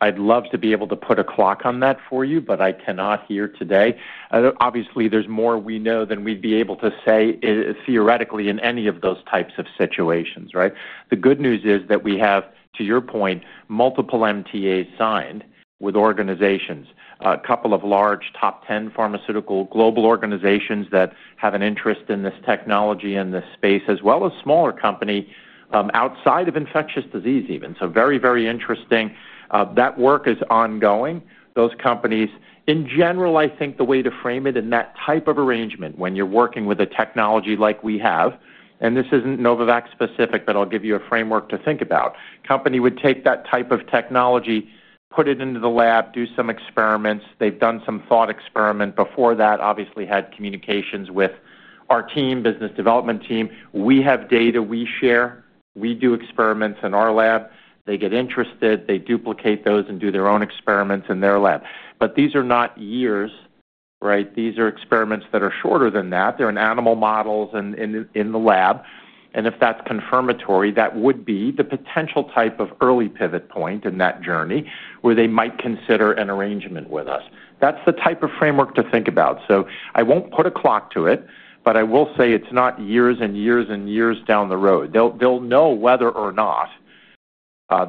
I'd love to be able to put a clock on that for you, but I cannot here today. Obviously, there's more we know than we'd be able to say theoretically in any of those types of situations, right? The good news is that we have, to your point, multiple MTAs signed with organizations, a couple of large top 10 pharmaceutical global organizations that have an interest in this technology and this space, as well as smaller companies outside of infectious disease even. Very, very interesting. That work is ongoing. Those companies, in general, I think the way to frame it in that type of arrangement when you're working with a technology like we have, and this isn't Novavax specific, but I'll give you a framework to think about, a company would take that type of technology, put it into the lab, do some experiments. They've done some thought experiment before that, obviously had communications with our team, business development team. We have data we share. We do experiments in our lab. They get interested. They duplicate those and do their own experiments in their lab. These are not years, right? These are experiments that are shorter than that. They're in animal models and in the lab. If that's confirmatory, that would be the potential type of early pivot point in that journey where they might consider an arrangement with us. That's the type of framework to think about. I won't put a clock to it, but I will say it's not years and years and years down the road. They'll know whether or not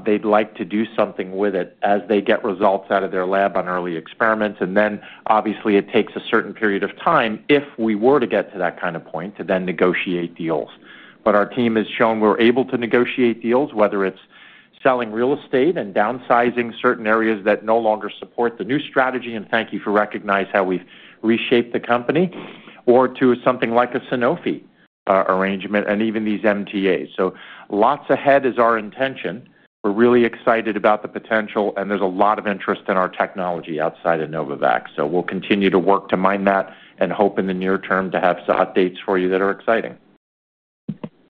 they'd like to do something with it as they get results out of their lab on early experiments. It takes a certain period of time if we were to get to that kind of point to then negotiate deals. Our team has shown we're able to negotiate deals, whether it's selling real estate and downsizing certain areas that no longer support the new strategy. Thank you for recognizing how we've reshaped the company, or to something like a Sanofi arrangement and even these MTAs. Lots ahead is our intention. We're really excited about the potential. There's a lot of interest in our technology outside of Novavax. We'll continue to work to mine that and hope in the near term to have some updates for you that are exciting.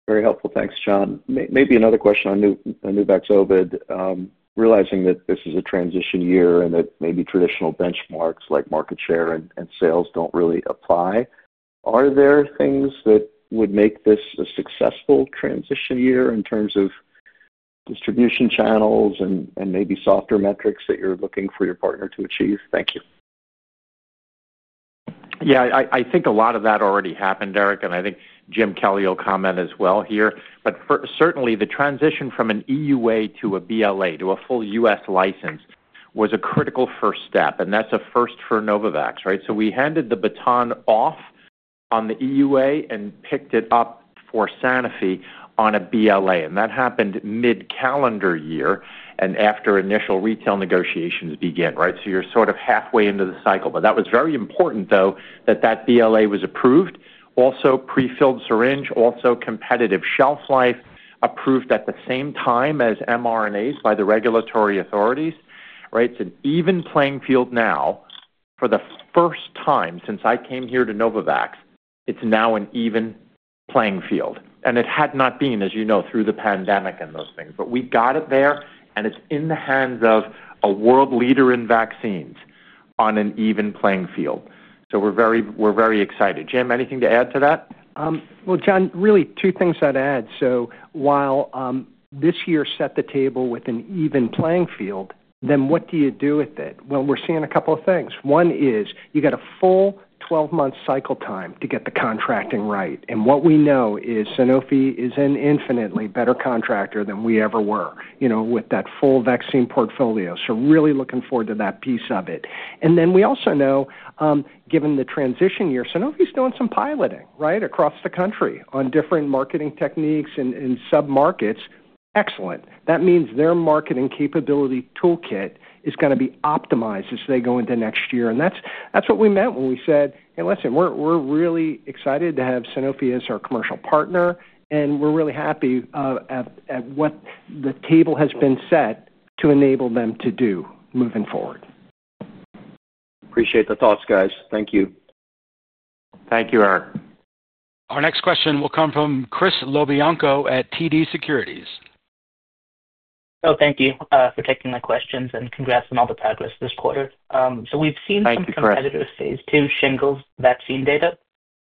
Very helpful. Thanks, John. Maybe another question on Novavax. Realizing that this is a transition year and that maybe traditional benchmarks like market share and sales do not really apply, are there things that would make this a successful transition year in terms of distribution channels and maybe softer metrics that you are looking for your partner to achieve? Thank you. Yeah, I think a lot of that already happened, Eric. I think Jim Kelly will comment as well here. Certainly, the transition from an EUA to a BLA to a full U.S. license was a critical first step. That is a first for Novavax, right? We handed the baton off on the EUA and picked it up for Sanofi on a BLA. That happened mid-calendar year and after initial retail negotiations began, right? You are sort of halfway into the cycle. That was very important, though, that that BLA was approved, also prefilled syringe, also competitive shelf life approved at the same time as mRNAs by the regulatory authorities, right? It is an even playing field now. For the first time since I came here to Novavax, it is now an even playing field. It had not been, as you know, through the pandemic and those things. We got it there. It is in the hands of a world leader in vaccines on an even playing field. We are very excited. Jim, anything to add to that? John, really two things I'd add. This year set the table with an even playing field, then what do you do with it? We're seeing a couple of things. One is you got a full 12-month cycle time to get the contracting right. What we know is Sanofi is an infinitely better contractor than we ever were with that full vaccine portfolio. Really looking forward to that piece of it. We also know, given the transition year, Sanofi is doing some piloting across the country on different marketing techniques and sub-markets. Excellent. That means their marketing capability toolkit is going to be optimized as they go into next year. That's what we meant when we said, "Hey, listen, we're really excited to have Sanofi as our commercial partner. And we're really happy. At what the table has been set to enable them to do moving forward. Appreciate the thoughts, guys. Thank you. Thank you, Eric. Our next question will come from Chris LoBianco at TD Securities. Oh, thank you for taking my questions and congrats on all the progress this quarter. We've seen some competitors' phase II shingles vaccine data,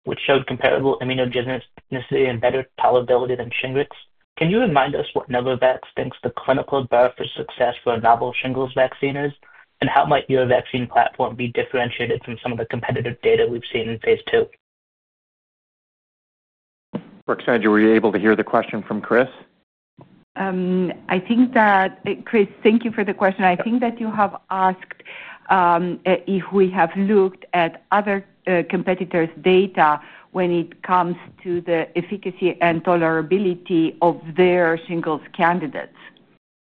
which showed comparable immunogenicity and better tolerability than Shingrix. Can you remind us what Novavax thinks the clinical bar for success for a novel shingles vaccine is? How might your vaccine platform be differentiated from some of the competitive data we've seen in phase II? Ruxandra, were you able to hear the question from Chris? I think that Chris, thank you for the question. I think that you have asked if we have looked at other competitors' data when it comes to the efficacy and tolerability of their shingles candidates.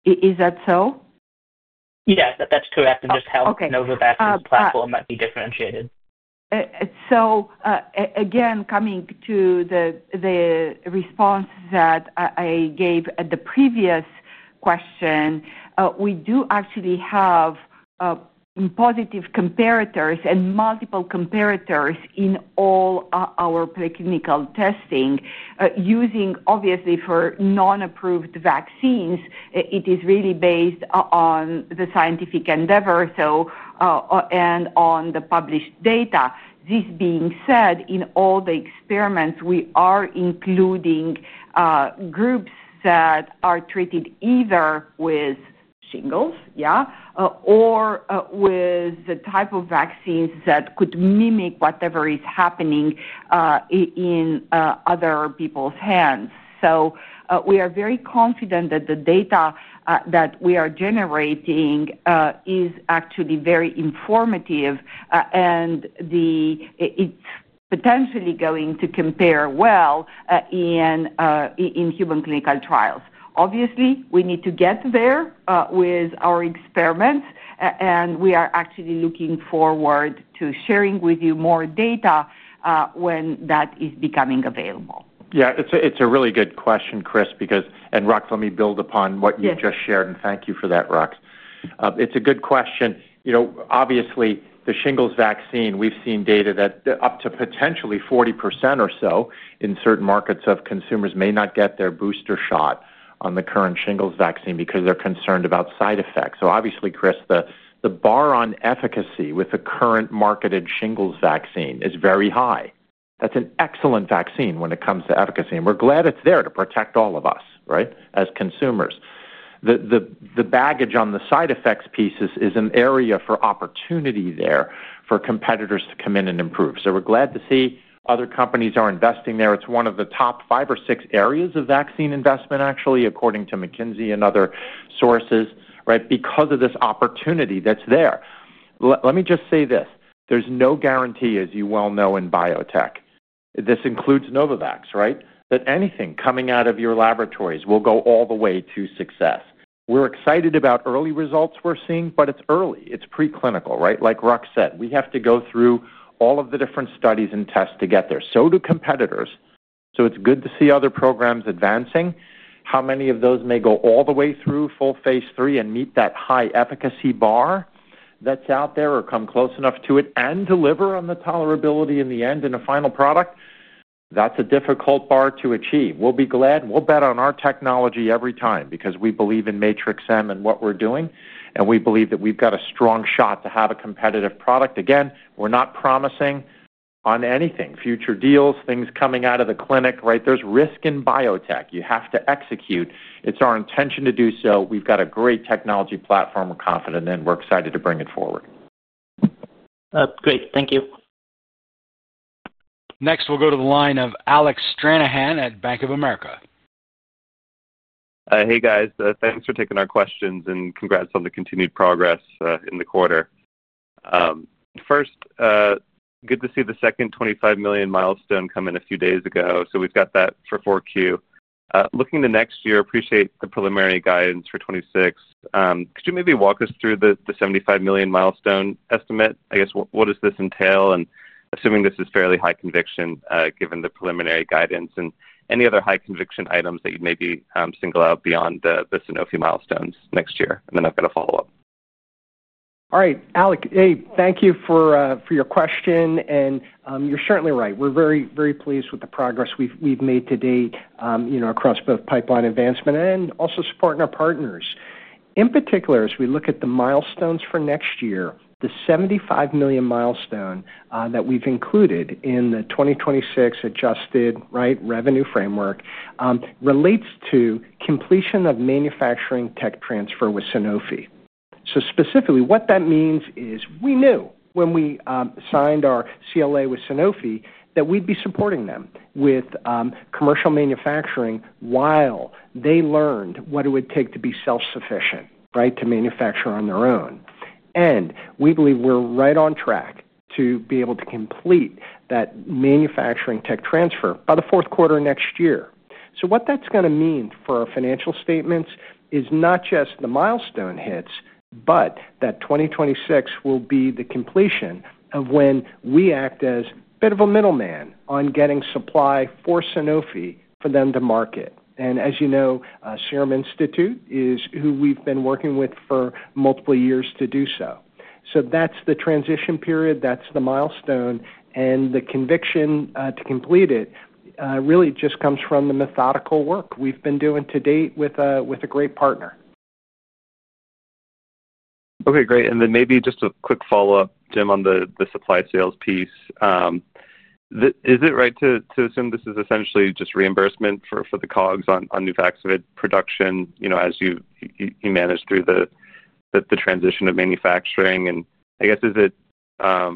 Is that so? Yes, that's correct. How can Novavax's platform be differentiated? Again, coming to the response that I gave at the previous question, we do actually have positive comparators and multiple comparators in all our preclinical testing. Obviously, for non-approved vaccines, it is really based on the scientific endeavor and on the published data. This being said, in all the experiments, we are including groups that are treated either with shingles, yeah, or with the type of vaccines that could mimic whatever is happening in other people's hands. We are very confident that the data that we are generating is actually very informative. It is potentially going to compare well in human clinical trials. Obviously, we need to get there with our experiments. We are actually looking forward to sharing with you more data when that is becoming available. Yeah, it's a really good question, Chris, because—Rux, let me build upon what you just shared. Thank you for that, Rux. It's a good question. Obviously, the shingles vaccine, we've seen data that up to potentially 40% or so in certain markets of consumers may not get their booster shot on the current shingles vaccine because they're concerned about side effects. Obviously, Chris, the bar on efficacy with the current marketed shingles vaccine is very high. That's an excellent vaccine when it comes to efficacy. We're glad it's there to protect all of us, right, as consumers. The baggage on the side effects piece is an area for opportunity there for competitors to come in and improve. We're glad to see other companies are investing there. It's one of the top five or six areas of vaccine investment, actually, according to McKinsey and other sources, right, because of this opportunity that's there. Let me just say this: there's no guarantee, as you well know in biotech—this includes Novavax, right—that anything coming out of your laboratories will go all the way to success. We're excited about early results we're seeing, but it's early. It's preclinical, right? Like Rux said, we have to go through all of the different studies and tests to get there. So do competitors. It's good to see other programs advancing. How many of those may go all the way through full phase III and meet that high efficacy bar that's out there or come close enough to it and deliver on the tolerability in the end in a final product? That's a difficult bar to achieve. We'll be glad. We'll bet on our technology every time because we believe in Matrix-M and what we're doing. We believe that we've got a strong shot to have a competitive product. Again, we're not promising on anything: future deals, things coming out of the clinic, right? There's risk in biotech. You have to execute. It's our intention to do so. We've got a great technology platform we're confident in. We're excited to bring it forward. Great. Thank you. Next, we'll go to the line of Alec Stranahan at Bank of America. Hey, guys. Thanks for taking our questions and congrats on the continued progress in the quarter. First, good to see the second $25 million milestone come in a few days ago. So we've got that for 4Q. Looking to next year, appreciate the preliminary guidance for 2026. Could you maybe walk us through the $75 million milestone estimate? I guess, what does this entail? Assuming this is fairly high conviction given the preliminary guidance, any other high conviction items that you'd maybe single out beyond the Sanofi milestones next year? I've got a follow up. All right, Eric. Hey, thank you for your question. You're certainly right. We're very, very pleased with the progress we've made to date across both pipeline advancement and also supporting our partners. In particular, as we look at the milestones for next year, the $75 million milestone that we've included in the 2026 adjusted revenue framework relates to completion of manufacturing tech transfer with Sanofi. Specifically, what that means is we knew when we signed our CLA with Sanofi that we'd be supporting them with commercial manufacturing while they learned what it would take to be self-sufficient, right, to manufacture on their own. We believe we're right on track to be able to complete that manufacturing tech transfer by the fourth quarter next year. What that's going to mean for our financial statements is not just the milestone hits, but that 2026 will be the completion of when we act as a bit of a middleman on getting supply for Sanofi for them to market. As you know, Serum Institute is who we've been working with for multiple years to do so. That's the transition period. That's the milestone. The conviction to complete it really just comes from the methodical work we've been doing to date with a great partner. Okay, great. Maybe just a quick follow-up, Jim, on the supply sales piece. Is it right to assume this is essentially just reimbursement for the COGS on Novavax production? As you manage through the transition of manufacturing? I guess, is it for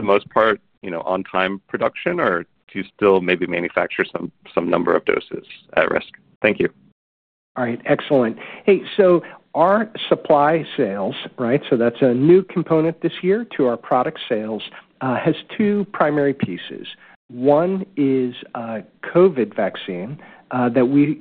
the most part on-time production, or do you still maybe manufacture some number of doses at risk? Thank you. All right, excellent. Hey, so our supply sales, right? That's a new component this year to our product sales, has two primary pieces. One is COVID-19 vaccine that we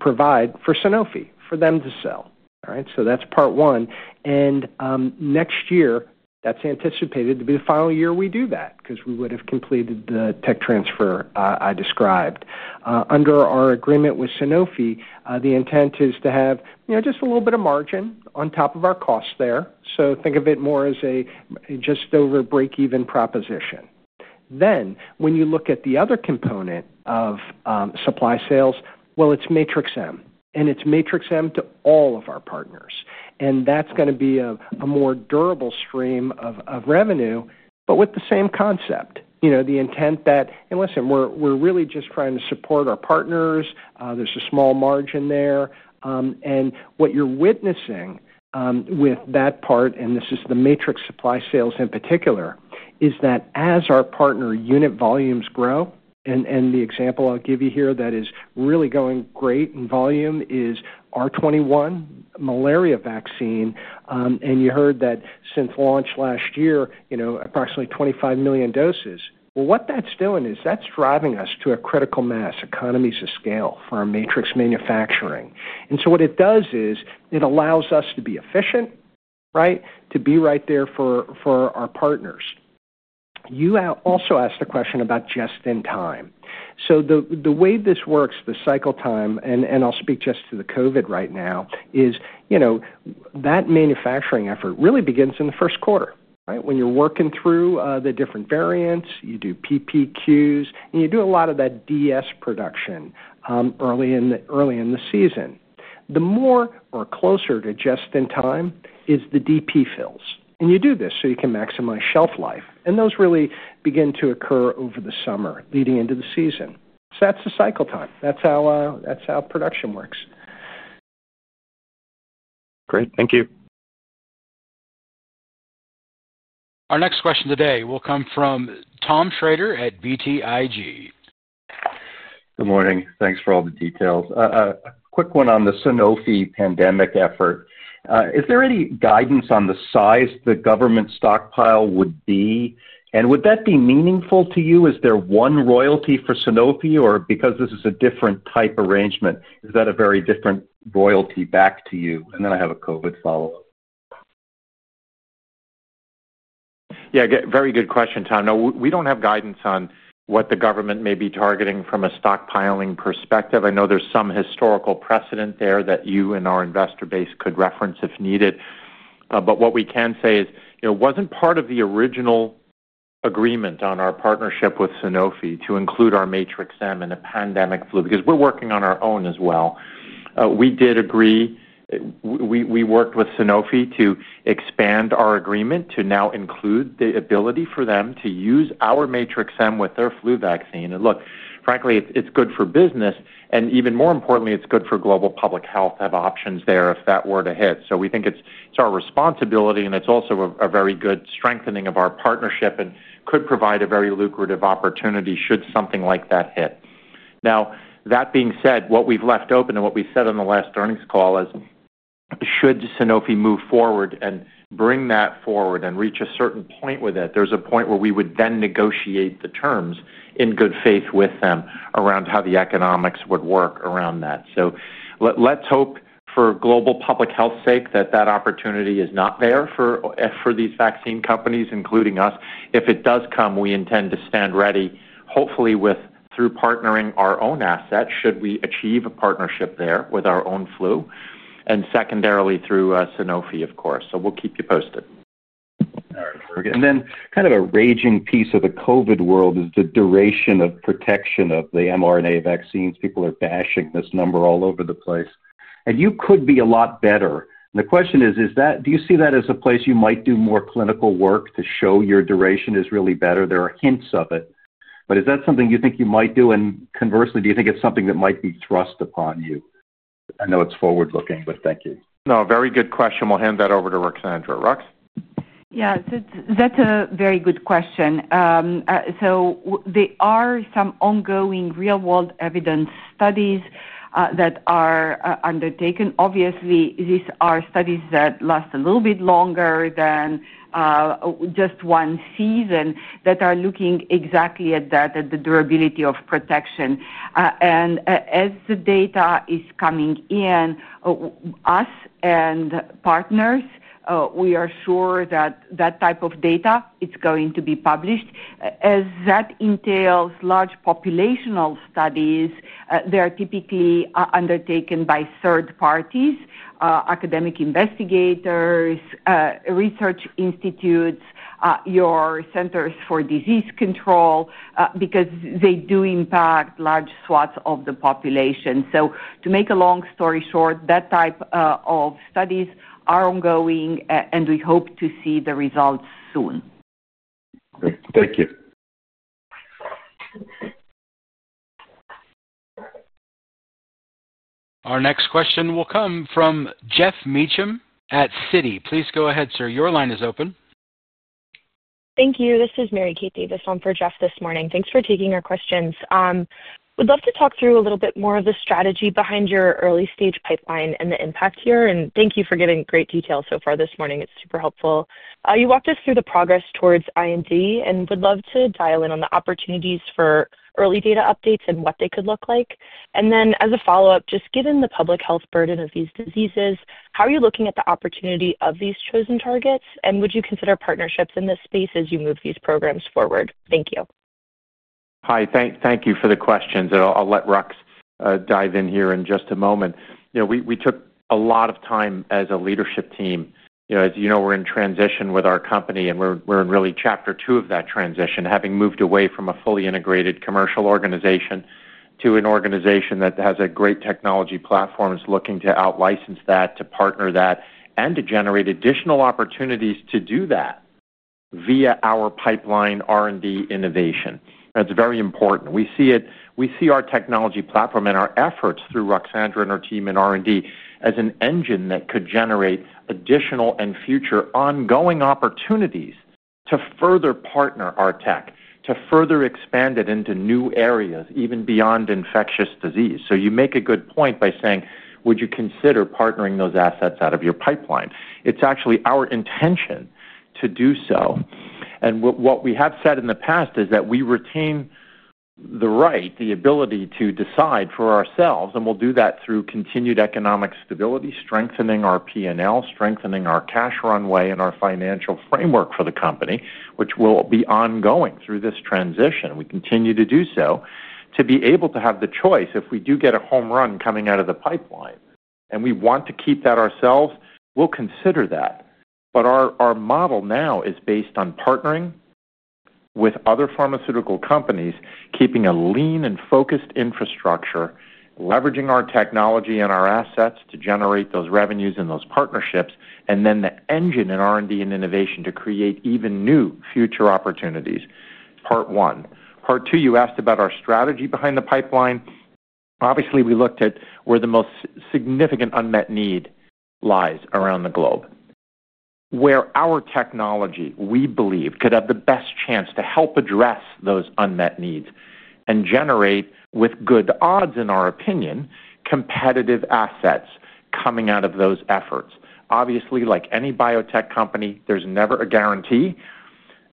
provide for Sanofi for them to sell, all right? That's part one. Next year, that's anticipated to be the final year we do that because we would have completed the tech transfer I described. Under our agreement with Sanofi, the intent is to have just a little bit of margin on top of our costs there. Think of it more as a just over break-even proposition. When you look at the other component of supply sales, it's Matrix-M. It's Matrix-M to all of our partners. That's going to be a more durable stream of revenue, but with the same concept. The intent that, hey, listen, we're really just trying to support our partners. There's a small margin there. What you're witnessing with that part, and this is the Matrix supply sales in particular, is that as our partner unit volumes grow, and the example I'll give you here that is really going great in volume is R21 malaria vaccine. You heard that since launch last year, approximately 25 million doses. What that's doing is that's driving us to a critical mass economies of scale for our Matrix manufacturing. What it does is it allows us to be efficient, right, to be right there for our partners. You also asked a question about just-in-time. The way this works, the cycle time, and I'll speak just to the COVID right now, is that manufacturing effort really begins in the first quarter, right? When you're working through the different variants, you do PPQs, and you do a lot of that DS production early in the season. The more or closer to just-in-time is the DP fills. You do this so you can maximize shelf life. Those really begin to occur over the summer leading into the season. That's the cycle time. That's how production works. Great. Thank you. Our next question today will come from Tom Shrader at BTIG. Good morning. Thanks for all the details. A quick one on the Sanofi pandemic effort. Is there any guidance on the size the government stockpile would be? Would that be meaningful to you? Is there one royalty for Sanofi, or because this is a different type arrangement, is that a very different royalty back to you? I have a COVID follow-up. Yeah, very good question, Tom. No, we do not have guidance on what the government may be targeting from a stockpiling perspective. I know there is some historical precedent there that you and our investor base could reference if needed. What we can say is it was not part of the original agreement on our partnership with Sanofi to include our Matrix-M in a pandemic flu because we are working on our own as well. We did agree. We worked with Sanofi to expand our agreement to now include the ability for them to use our Matrix-M with their flu vaccine. Look, frankly, it is good for business. Even more importantly, it is good for global public health to have options there if that were to hit. We think it's our responsibility, and it's also a very good strengthening of our partnership and could provide a very lucrative opportunity should something like that hit. That being said, what we've left open and what we said on the last earnings call is, should Sanofi move forward and bring that forward and reach a certain point with it, there's a point where we would then negotiate the terms in good faith with them around how the economics would work around that. Let's hope for global public health's sake that that opportunity is not there for these vaccine companies, including us. If it does come, we intend to stand ready, hopefully through partnering our own assets should we achieve a partnership there with our own flu. Secondarily, through Sanofi, of course. We'll keep you posted. All right. A kind of a raging piece of the COVID world is the duration of protection of the mRNA vaccines. People are bashing this number all over the place. You could be a lot better. The question is, do you see that as a place you might do more clinical work to show your duration is really better? There are hints of it. Is that something you think you might do? Conversely, do you think it is something that might be thrust upon you? I know it is forward-looking, but thank you. No, very good question. We'll hand that over to Rux and Andrew. Rux? Yeah, that's a very good question. There are some ongoing real-world evidence studies that are undertaken. Obviously, these are studies that last a little bit longer than just one season that are looking exactly at that, at the durability of protection. As the data is coming in, us and partners, we are sure that that type of data, it's going to be published. As that entails large population studies, they're typically undertaken by third parties, academic investigators, research institutes, your centers for disease control, because they do impact large swaths of the population. To make a long story short, that type of studies are ongoing, and we hope to see the results soon. Thank you. Our next question will come from Jeff Meacham at Citi. Please go ahead, sir. Your line is open. Thank you. This is Mary Kate Davis on for Jeff this morning. Thanks for taking our questions. We'd love to talk through a little bit more of the strategy behind your early-stage pipeline and the impact here. Thank you for giving great detail so far this morning. It's super helpful. You walked us through the progress towards IND and would love to dial in on the opportunities for early data updates and what they could look like. As a follow-up, just given the public health burden of these diseases, how are you looking at the opportunity of these chosen targets? Would you consider partnerships in this space as you move these programs forward? Thank you. Hi. Thank you for the questions. I'll let Rux dive in here in just a moment. We took a lot of time as a leadership team. As you know, we're in transition with our company, and we're in really chapter two of that transition, having moved away from a fully integrated commercial organization to an organization that has a great technology platform. It's looking to out-license that, to partner that, and to generate additional opportunities to do that via our pipeline R&D innovation. That's very important. We see our technology platform and our efforts through Rux and Andrew and our team in R&D as an engine that could generate additional and future ongoing opportunities to further partner our tech, to further expand it into new areas, even beyond infectious disease. You make a good point by saying, would you consider partnering those assets out of your pipeline? It's actually our intention to do so. What we have said in the past is that we retain the right, the ability to decide for ourselves. We will do that through continued economic stability, strengthening our P&L, strengthening our cash runway, and our financial framework for the company, which will be ongoing through this transition. We continue to do so to be able to have the choice if we do get a home run coming out of the pipeline. We want to keep that ourselves. We will consider that. Our model now is based on partnering with other pharmaceutical companies, keeping a lean and focused infrastructure, leveraging our technology and our assets to generate those revenues and those partnerships, and then the engine in R&D and innovation to create even new future opportunities. Part one. Part two, you asked about our strategy behind the pipeline. Obviously, we looked at where the most significant unmet need lies around the globe. Where our technology, we believe, could have the best chance to help address those unmet needs and generate, with good odds in our opinion, competitive assets coming out of those efforts. Obviously, like any biotech company, there is never a guarantee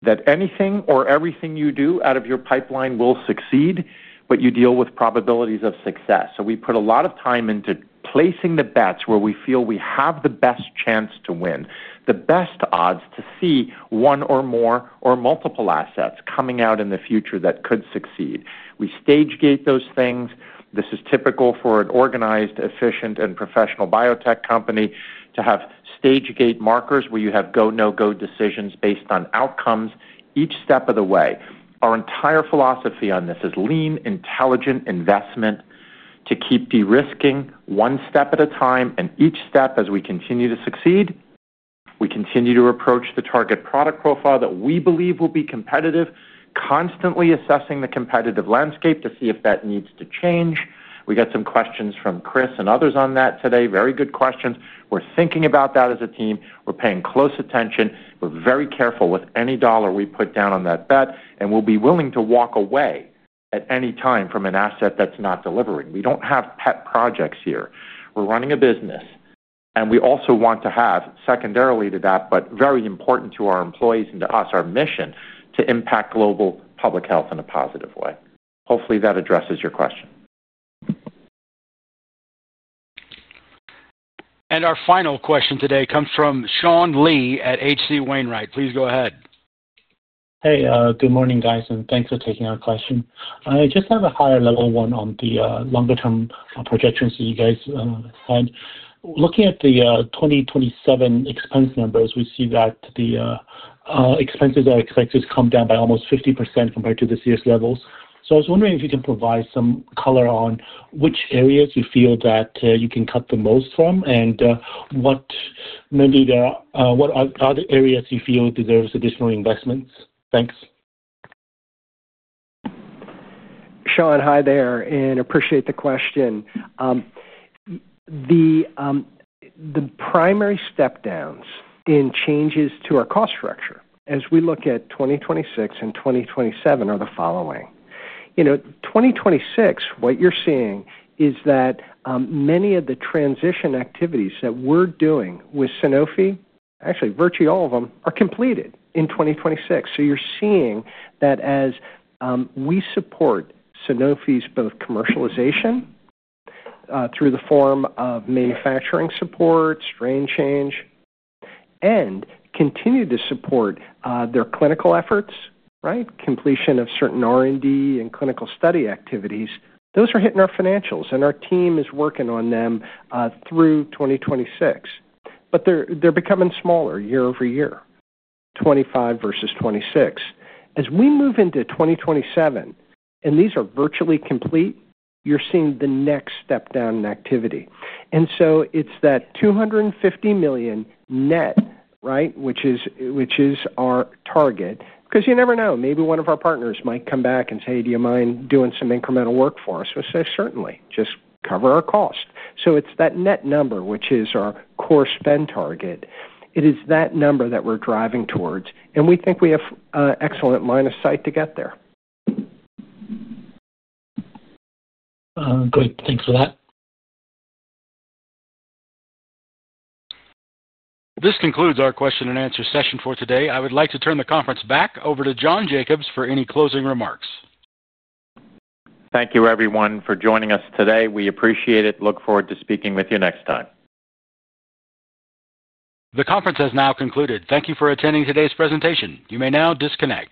that anything or everything you do out of your pipeline will succeed, but you deal with probabilities of success. We put a lot of time into placing the bets where we feel we have the best chance to win, the best odds to see one or more or multiple assets coming out in the future that could succeed. We stage-gate those things. This is typical for an organized, efficient, and professional biotech company to have stage-gate markers where you have go, no go decisions based on outcomes each step of the way. Our entire philosophy on this is lean, intelligent investment to keep de-risking one step at a time. Each step, as we continue to succeed, we continue to approach the target product profile that we believe will be competitive, constantly assessing the competitive landscape to see if that needs to change. We got some questions from Chris and others on that today. Very good questions. We are thinking about that as a team. We are paying close attention. We are very careful with any dollar we put down on that bet. We will be willing to walk away at any time from an asset that is not delivering. We do not have pet projects here. We are running a business. We also want to have, secondarily to that, but very important to our employees and to us, our mission to impact global public health in a positive way. Hopefully, that addresses your question. Our final question today comes from Sean Lee at HC Wainwright. Please go ahead. Hey, good morning, guys, and thanks for taking our question. I just have a higher level one on the longer-term projections that you guys had. Looking at the 2027 expense numbers, we see that the expenses are expected to come down by almost 50% compared to this year's levels. I was wondering if you can provide some color on which areas you feel that you can cut the most from and what maybe there are what other areas you feel deserve additional investments. Thanks. Sean, hi there, and appreciate the question. The primary step-downs in changes to our cost structure as we look at 2026 and 2027 are the following. 2026, what you're seeing is that many of the transition activities that we're doing with Sanofi, actually virtually all of them, are completed in 2026. You're seeing that as we support Sanofi's both commercialization through the form of manufacturing support, strain change, and continue to support their clinical efforts, right, completion of certain R&D and clinical study activities, those are hitting our financials. Our team is working on them through 2026, but they're becoming smaller year over year, 2025 versus 2026. As we move into 2027, and these are virtually complete, you're seeing the next step-down activity. It's that $250 million net, right, which is our target. Because you never know, maybe one of our partners might come back and say, "Do you mind doing some incremental work for us?" We say, "Certainly. Just cover our cost." It is that net number, which is our core spend target. It is that number that we're driving towards. We think we have an excellent line of sight to get there. Great. Thanks for that. This concludes our question and answer session for today. I would like to turn the conference back over to John Jacobs for any closing remarks. Thank you, everyone, for joining us today. We appreciate it. Look forward to speaking with you next time. The conference has now concluded. Thank you for attending today's presentation. You may now disconnect.